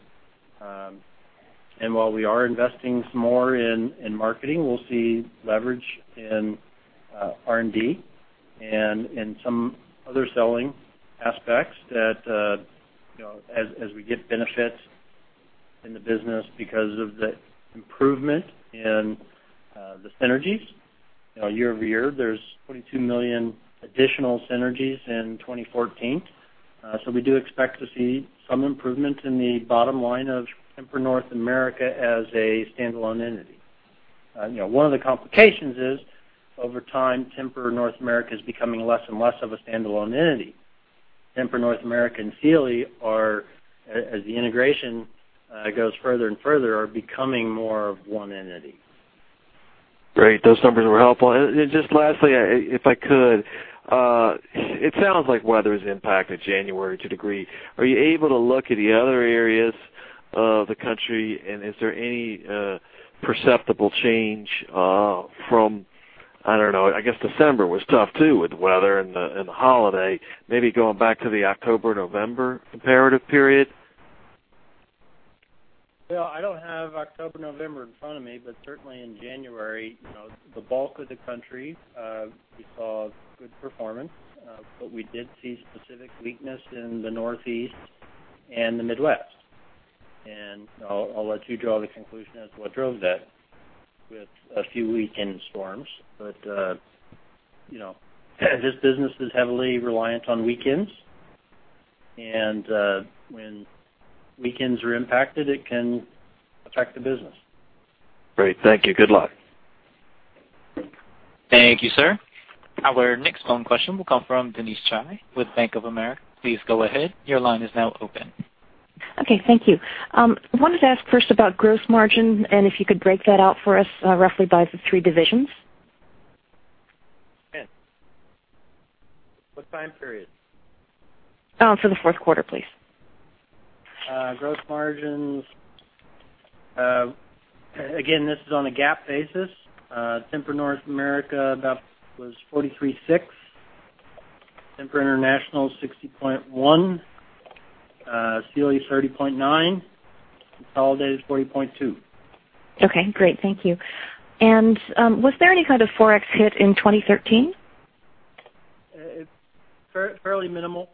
Speaker 4: While we are investing some more in marketing, we'll see leverage in R&D and in some other selling aspects that as we get benefits in the business because of the improvement in the synergies year over year. There's $22 million additional synergies in 2014. We do expect to see some improvement in the bottom line of Tempur North America as a standalone entity. One of the complications is over time, Tempur North America is becoming less and less of a standalone entity. Tempur North America and Sealy are, as the integration goes further and further, are becoming more of one entity.
Speaker 8: Great. Those numbers were helpful. Just lastly, if I could, it sounds like weather's impacted January to degree. Are you able to look at the other areas of the country? Is there any perceptible change from, I don't know, I guess December was tough too with weather and the holiday, maybe going back to the October-November comparative period?
Speaker 4: Dale, I don't have October-November in front of me, certainly in January, the bulk of the country, we saw good performance. We did see specific weakness in the Northeast and the Midwest. I'll let you draw the conclusion as to what drove that with a few weekend storms. This business is heavily reliant on weekends, and when weekends are impacted, it can affect the business.
Speaker 8: Great. Thank you. Good luck.
Speaker 1: Thank you, sir. Our next phone question will come from Denise Chai with Bank of America. Please go ahead. Your line is now open.
Speaker 9: Okay. Thank you. Wanted to ask first about gross margin, if you could break that out for us roughly by the three divisions.
Speaker 4: Sure. What time period?
Speaker 9: For the fourth quarter, please.
Speaker 4: Gross margins. Again, this is on a GAAP basis. Tempur North America was 43.6%. Tempur International, 60.1%. Sealy is 30.9%. Consolidated is 40.2%.
Speaker 9: Okay, great. Thank you. Was there any kind of forex hit in 2013?
Speaker 4: Fairly minimal.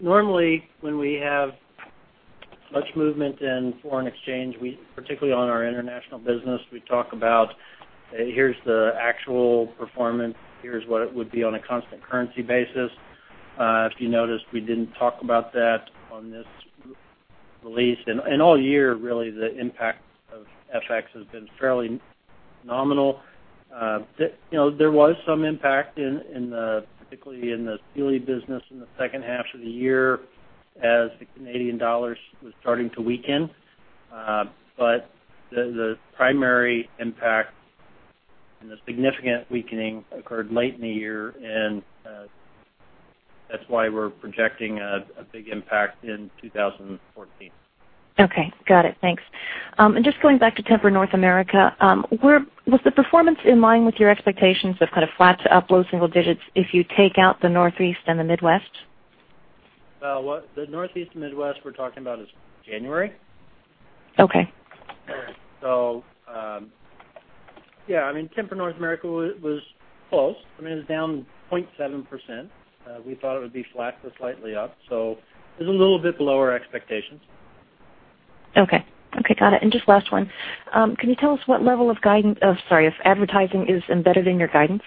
Speaker 4: Normally, when we have much movement in foreign exchange, particularly on our international business, we talk about, here's the actual performance, here's what it would be on a constant currency basis. If you noticed, we didn't talk about that on this release. All year, really, the impact of FX has been fairly nominal. There was some impact particularly in the Sealy business in the second half of the year as the Canadian dollar was starting to weaken. The primary impact and the significant weakening occurred late in the year, and that's why we're projecting a big impact in 2014.
Speaker 9: Okay, got it. Thanks. Just going back to Tempur North America, was the performance in line with your expectations of kind of flat to up low single digits if you take out the Northeast and the Midwest?
Speaker 4: Well, the Northeast and Midwest we're talking about is January.
Speaker 9: Okay.
Speaker 4: Tempur North America was close. It was down 0.7%. We thought it would be flat or slightly up, it was a little bit below our expectations.
Speaker 9: Got it. Just last one. Can you tell us what level of guidance, sorry, if advertising is embedded in your guidance?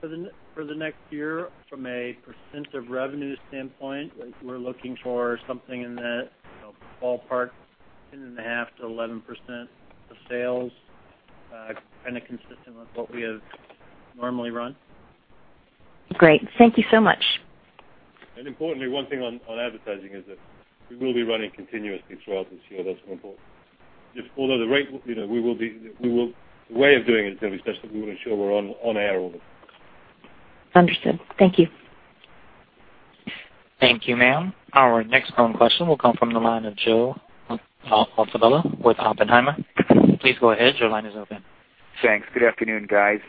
Speaker 4: For the next year from a percent of revenue standpoint, we're looking for something in that ballpark, 10.5%-11% of sales, kind of consistent with what we have normally run.
Speaker 9: Great. Thank you so much.
Speaker 3: Importantly, one thing on advertising is that we will be running continuously throughout this year. That's more important. Although the rate, the way of doing it is going to be special, we want to ensure we're on air all the time.
Speaker 9: Understood. Thank you.
Speaker 1: Thank you, ma'am. Our next question will come from the line of Joe Altobello with Oppenheimer. Please go ahead. Your line is open.
Speaker 10: Thanks. Good afternoon, guys.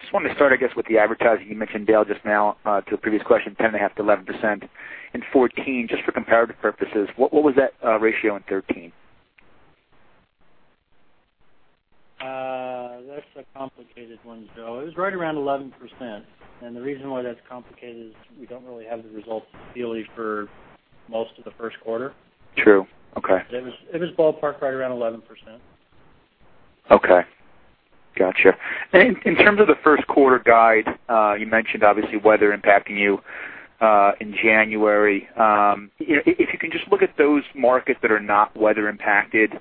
Speaker 10: Just wanted to start, I guess, with the advertising. You mentioned, Dale, just now, to a previous question, ten and a half to 11% in 2014. Just for comparative purposes, what was that ratio in 2013?
Speaker 4: That's a complicated one, Joe. It was right around 11%. The reason why that's complicated is we don't really have the results at Sealy for most of the first quarter.
Speaker 10: True. Okay.
Speaker 4: It was ballparked right around 11%.
Speaker 10: Okay. Gotcha. In terms of the first quarter guide, you mentioned obviously weather impacting you in January. If you can just look at those markets that are not weather-impacted,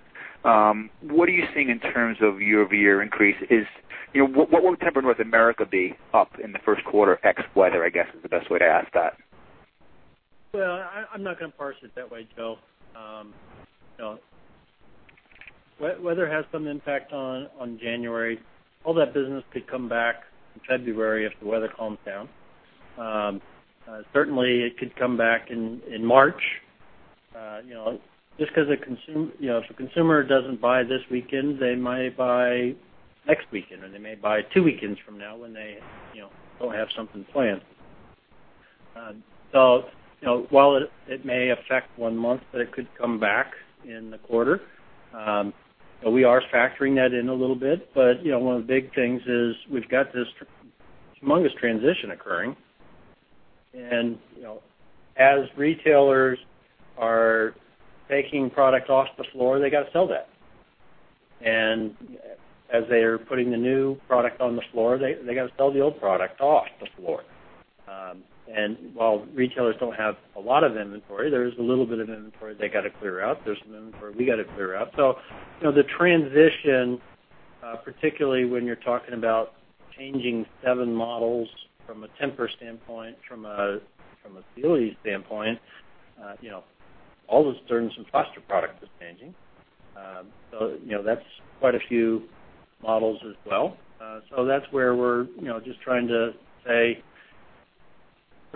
Speaker 10: what are you seeing in terms of year-over-year increase? What will Tempur North America be up in the first quarter ex-weather, I guess, is the best way to ask that.
Speaker 4: Well, I'm not going to parse it that way, Joe. Weather has some impact on January. All that business could come back in February if the weather calms down. Certainly, it could come back in March. If a consumer doesn't buy this weekend, they might buy next weekend, or they may buy two weekends from now when they don't have something planned. While it may affect one month, it could come back in the quarter. We are factoring that in a little bit. One of the big things is we've got this humongous transition occurring, as retailers are taking product off the floor, they got to sell that. As they are putting the new product on the floor, they got to sell the old product off the floor. While retailers don't have a lot of inventory, there's a little bit of inventory they got to clear out. There's some inventory we got to clear out. The transition, particularly when you're talking about changing seven models from a Tempur standpoint, from a Sealy standpoint, all the Stearns & Foster product is changing. That's quite a few models as well. That's where we're just trying to say,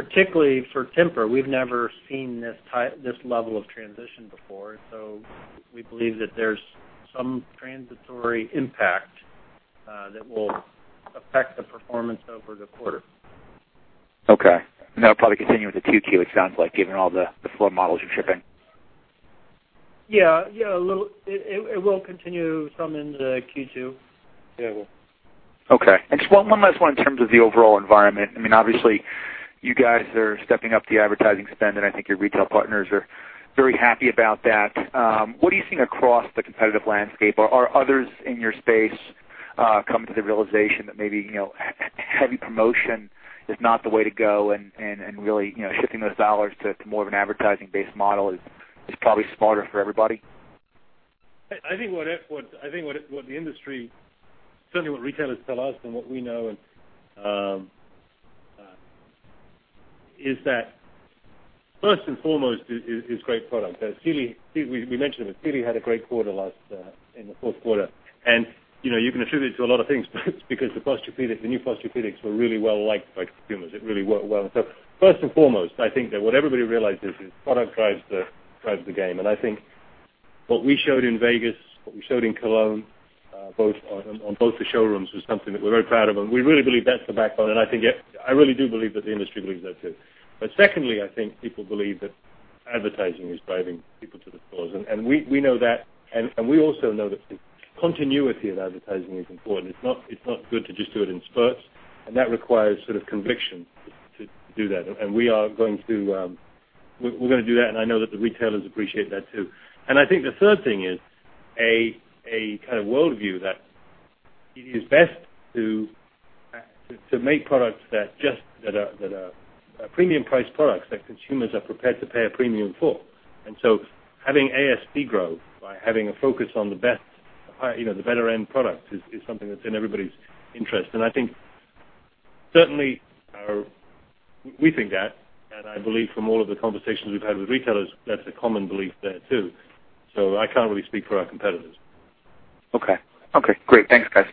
Speaker 4: particularly for Tempur, we've never seen this level of transition before. We believe that there's some transitory impact that will affect the performance over the quarter.
Speaker 10: Okay. That'll probably continue into Q2, it sounds like, given all the floor models you're shipping.
Speaker 4: Yeah. It will continue some into Q2.
Speaker 3: Yeah, it will.
Speaker 10: Okay. Just one last one in terms of the overall environment. Obviously, you guys are stepping up the advertising spend, and I think your retail partners are very happy about that. What are you seeing across the competitive landscape? Are others in your space coming to the realization that maybe heavy promotion is not the way to go and really shifting those dollars to more of an advertising-based model is probably smarter for everybody?
Speaker 3: I think what the industry, certainly what retailers tell us and what we know, is that first and foremost is great product. We mentioned it, but Sealy had a great quarter in the fourth quarter. You can attribute it to a lot of things, but it's because the new Posturepedics were really well-liked by consumers. It really worked well. First and foremost, I think that what everybody realizes is product drives the game. I think what we showed in Vegas, what we showed in Cologne, on both the showrooms, was something that we're very proud of, and we really believe that's the backbone, and I really do believe that the industry believes that, too. Secondly, I think people believe that advertising is driving people to the stores. We know that, and we also know that the continuity of advertising is important. It's not good to just do it in spurts, and that requires sort of conviction to do that. We're going to do that, and I know that the retailers appreciate that, too. I think the third thing is a kind of worldview that it is best to make products that are premium-priced products that consumers are prepared to pay a premium for. Having ASP grow by having a focus on the better-end product is something that's in everybody's interest. I think certainly we think that, and I believe from all of the conversations we've had with retailers, that's a common belief there, too. I can't really speak for our competitors.
Speaker 10: Okay. Great. Thanks, guys.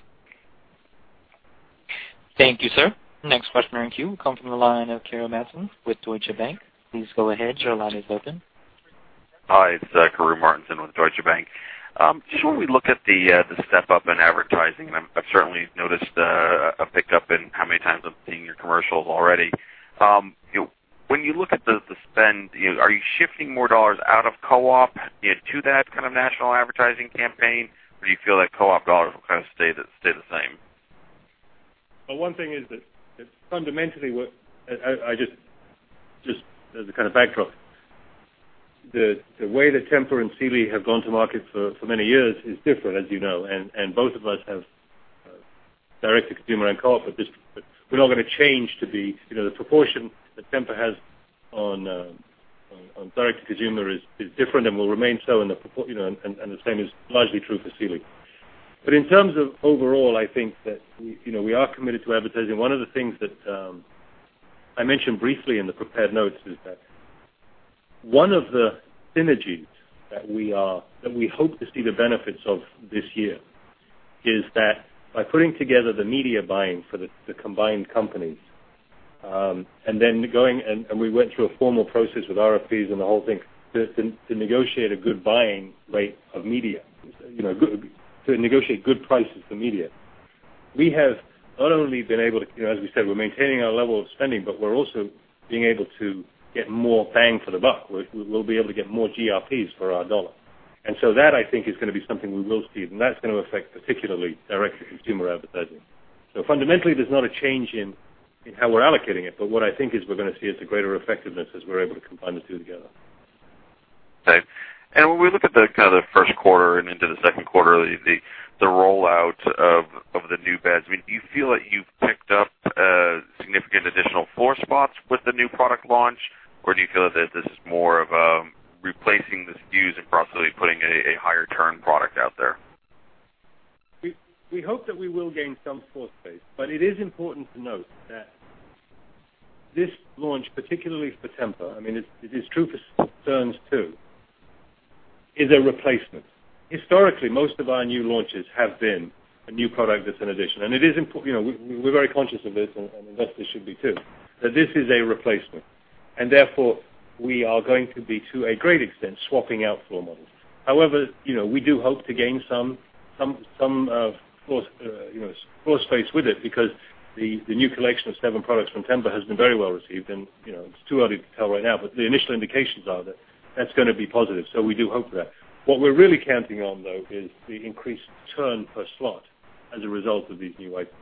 Speaker 1: Thank you, sir. Next question in queue will come from the line of Karru Martinson with Deutsche Bank. Please go ahead. Your line is open.
Speaker 11: Hi, it's Karru Martinson with Deutsche Bank. When we look at the step-up in advertising, I've certainly noticed a pick-up in how many times I'm seeing your commercials already. When you look at the spend, are you shifting more dollars out of co-op into that kind of national advertising campaign, or do you feel that co-op dollars will kind of stay the same?
Speaker 3: Well, one thing is that fundamentally, just as a kind of backdrop, the way that Tempur and Sealy have gone to market for many years is different, as you know, and both of us have direct-to-consumer and co-op. We're not going to change the proportion that Tempur has on direct-to-consumer is different and will remain so, and the same is largely true for Sealy. In terms of overall, I think that we are committed to advertising. One of the things that I mentioned briefly in the prepared notes is that one of the synergies that we hope to see the benefits of this year is that by putting together the media buying for the combined companies, and we went through a formal process with RFPs and the whole thing to negotiate a good buying rate of media, to negotiate good prices for media. We have not only been able to, as we said, we're maintaining our level of spending, but we're also being able to get more bang for the buck. We'll be able to get more GRPs for our dollar. That I think is going to be something we will see, and that's going to affect particularly direct-to-consumer advertising. Fundamentally, there's not a change in how we're allocating it, but what I think is we're going to see is the greater effectiveness as we're able to combine the two together.
Speaker 11: Okay. When we look at the first quarter and into the second quarter, the rollout of the new beds, do you feel that you've picked up significant additional floor spots with the new product launch, or do you feel that this is more of replacing the SKUs and possibly putting a higher turn product out there?
Speaker 3: We hope that we will gain some floor space, but it is important to note that this launch, particularly for Tempur, it is true for Stearns too, is a replacement. Historically, most of our new launches have been a new product that's an addition. We're very conscious of this and investors should be, too, that this is a replacement, and therefore, we are going to be, to a great extent, swapping out floor models. However, we do hope to gain some floor space with it because the new collection of seven products from Tempur has been very well received, and it's too early to tell right now, but the initial indications are that that's going to be positive. We do hope for that. What we're really counting on, though, is the increased turn per slot as a result of these new items.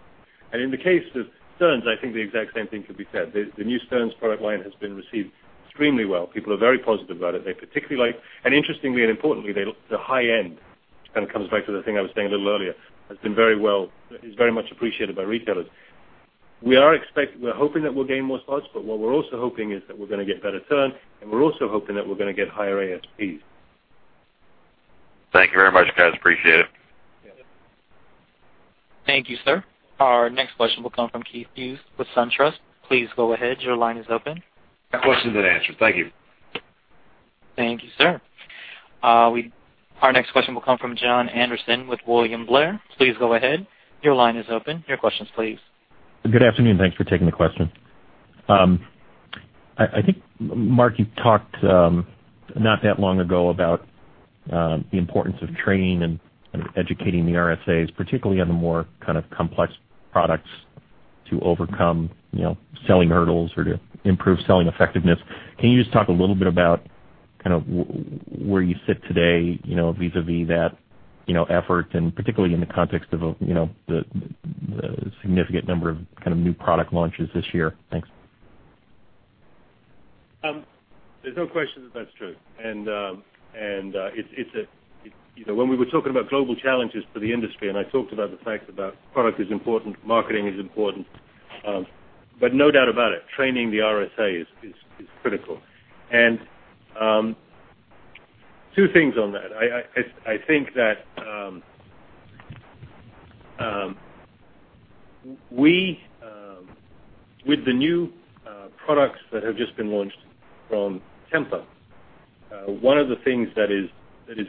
Speaker 3: In the case of Stearns, I think the exact same thing could be said. The new Stearns product line has been received extremely well. People are very positive about it. They particularly like, and interestingly and importantly, the high end, and it comes back to the thing I was saying a little earlier, is very much appreciated by retailers. We're hoping that we'll gain more spots, but what we're also hoping is that we're going to get better turn, and we're also hoping that we're going to get higher ASPs.
Speaker 11: Thank you very much, guys. Appreciate it.
Speaker 1: Thank you, sir. Our next question will come from Keith Hughes with SunTrust. Please go ahead. Your line is open.
Speaker 12: Question has been answered. Thank you.
Speaker 1: Thank you, sir. Our next question will come from Jon Andersen with William Blair. Please go ahead. Your line is open. Your questions, please.
Speaker 13: Good afternoon. Thanks for taking the question. Mark, you talked not that long ago about the importance of training and educating the RSAs, particularly on the more kind of complex products to overcome selling hurdles or to improve selling effectiveness. Can you just talk a little bit about where you sit today vis-a-vis that effort, and particularly in the context of the significant number of new product launches this year? Thanks.
Speaker 3: There's no question that that's true. When we were talking about global challenges for the industry, I talked about the fact about product is important, marketing is important. No doubt about it, training the RSA is critical. Two things on that. I think that with the new products that have just been launched from Tempur, one of the things that is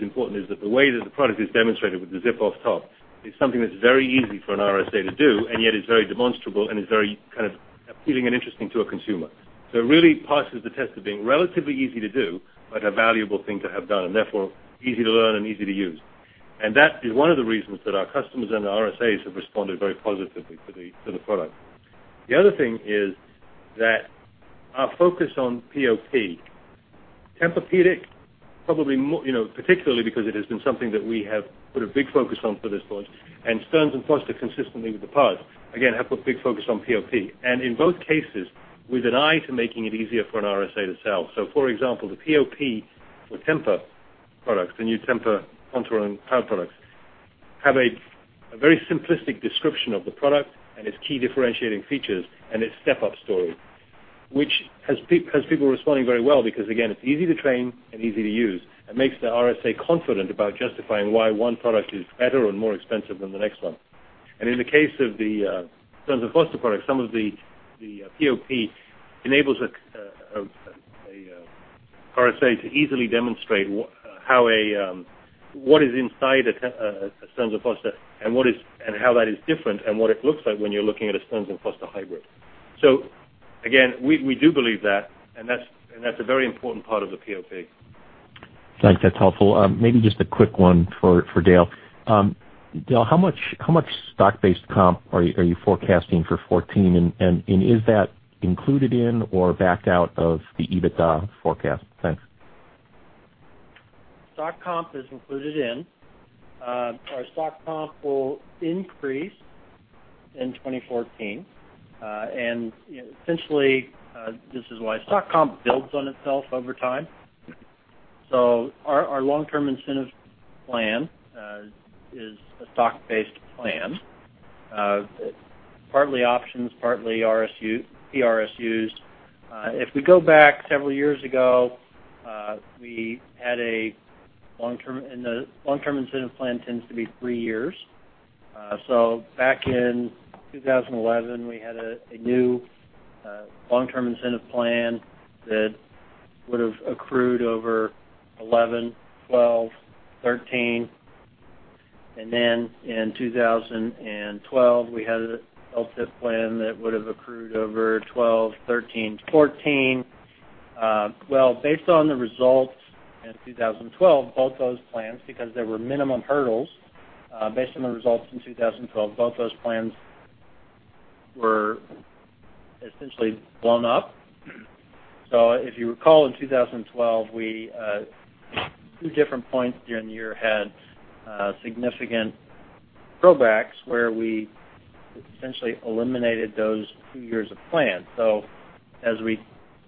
Speaker 3: important is that the way that the product is demonstrated with the zip-off top is something that's very easy for an RSA to do, and yet it's very demonstrable and is very appealing and interesting to a consumer. It really passes the test of being relatively easy to do, but a valuable thing to have done, and therefore, easy to learn and easy to use. That is one of the reasons that our customers and our RSAs have responded very positively to the product. The other thing is that our focus on POP, Tempur-Pedic, particularly because it has been something that we have put a big focus on for this launch, and Stearns & Foster consistently with the past, again, have put big focus on POP. In both cases, with an eye to making it easier for an RSA to sell. For example, the POP for Tempur products, the new TEMPUR-Contour and TEMPUR-Cloud products, have a very simplistic description of the product and its key differentiating features and its step-up story, which has people responding very well because, again, it's easy to train and easy to use. It makes the RSA confident about justifying why one product is better and more expensive than the next one. In the case of the Stearns & Foster products, some of the POP enables the RSA to easily demonstrate what is inside a Stearns & Foster and how that is different, and what it looks like when you're looking at a Stearns & Foster hybrid. Again, we do believe that, and that's a very important part of the POP.
Speaker 13: Thanks. That's helpful. Maybe just a quick one for Dale. Dale, how much stock-based comp are you forecasting for 2014? Is that included in or backed out of the EBITDA forecast? Thanks.
Speaker 4: Stock comp is included in. Our stock comp will increase in 2014. Essentially, this is why stock comp builds on itself over time. Our long-term incentive plan is a stock-based plan. Partly options, partly PRSU. If we go back several years ago, the long-term incentive plan tends to be 3 years. Back in 2011, we had a new long-term incentive plan that would've accrued over 2011, 2012, 2013. In 2012, we had a LTIP plan that would've accrued over 2012, 2013, 2014. Based on the results in 2012, both those plans, because there were minimum hurdles, based on the results in 2012, both those plans were essentially blown up. If you recall, in 2012, we, at 2 different points during the year, had significant pullbacks where we essentially eliminated those 2 years of plan. As we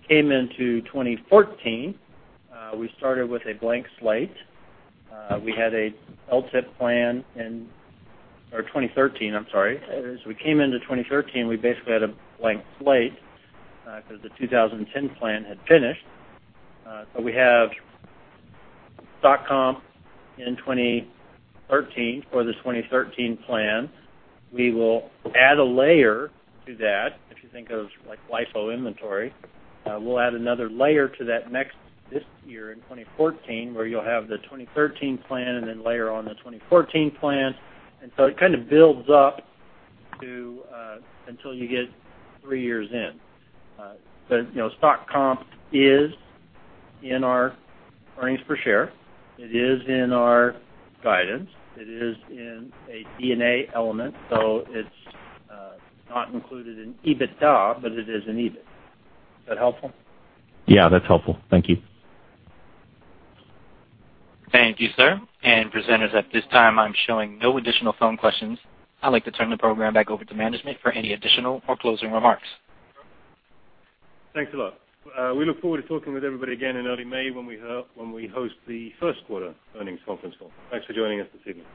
Speaker 4: came into 2014, we started with a blank slate. We had a LTIP plan in 2013, I'm sorry. As we came into 2013, we basically had a blank slate, because the 2010 plan had finished. We have stock comp in 2013 for the 2013 plan. We will add a layer to that. If you think of LIFO inventory, we'll add another layer to that next this year in 2014, where you'll have the 2013 plan and then layer on the 2014 plan. It kind of builds up until you get 3 years in. Stock comp is in our earnings per share. It is in our guidance. It is in a D&A element. It's not included in EBITDA, but it is in EBIT. Is that helpful?
Speaker 13: Yeah, that's helpful. Thank you.
Speaker 1: Thank you, sir. Presenters, at this time, I'm showing no additional phone questions. I'd like to turn the program back over to management for any additional or closing remarks.
Speaker 3: Thanks a lot. We look forward to talking with everybody again in early May when we host the first quarter earnings conference call. Thanks for joining us this evening.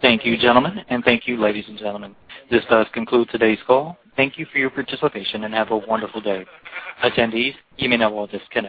Speaker 1: Thank you, gentlemen, and thank you, ladies and gentlemen. This does conclude today's call. Thank you for your participation, and have a wonderful day. Attendees, you may now disconnect.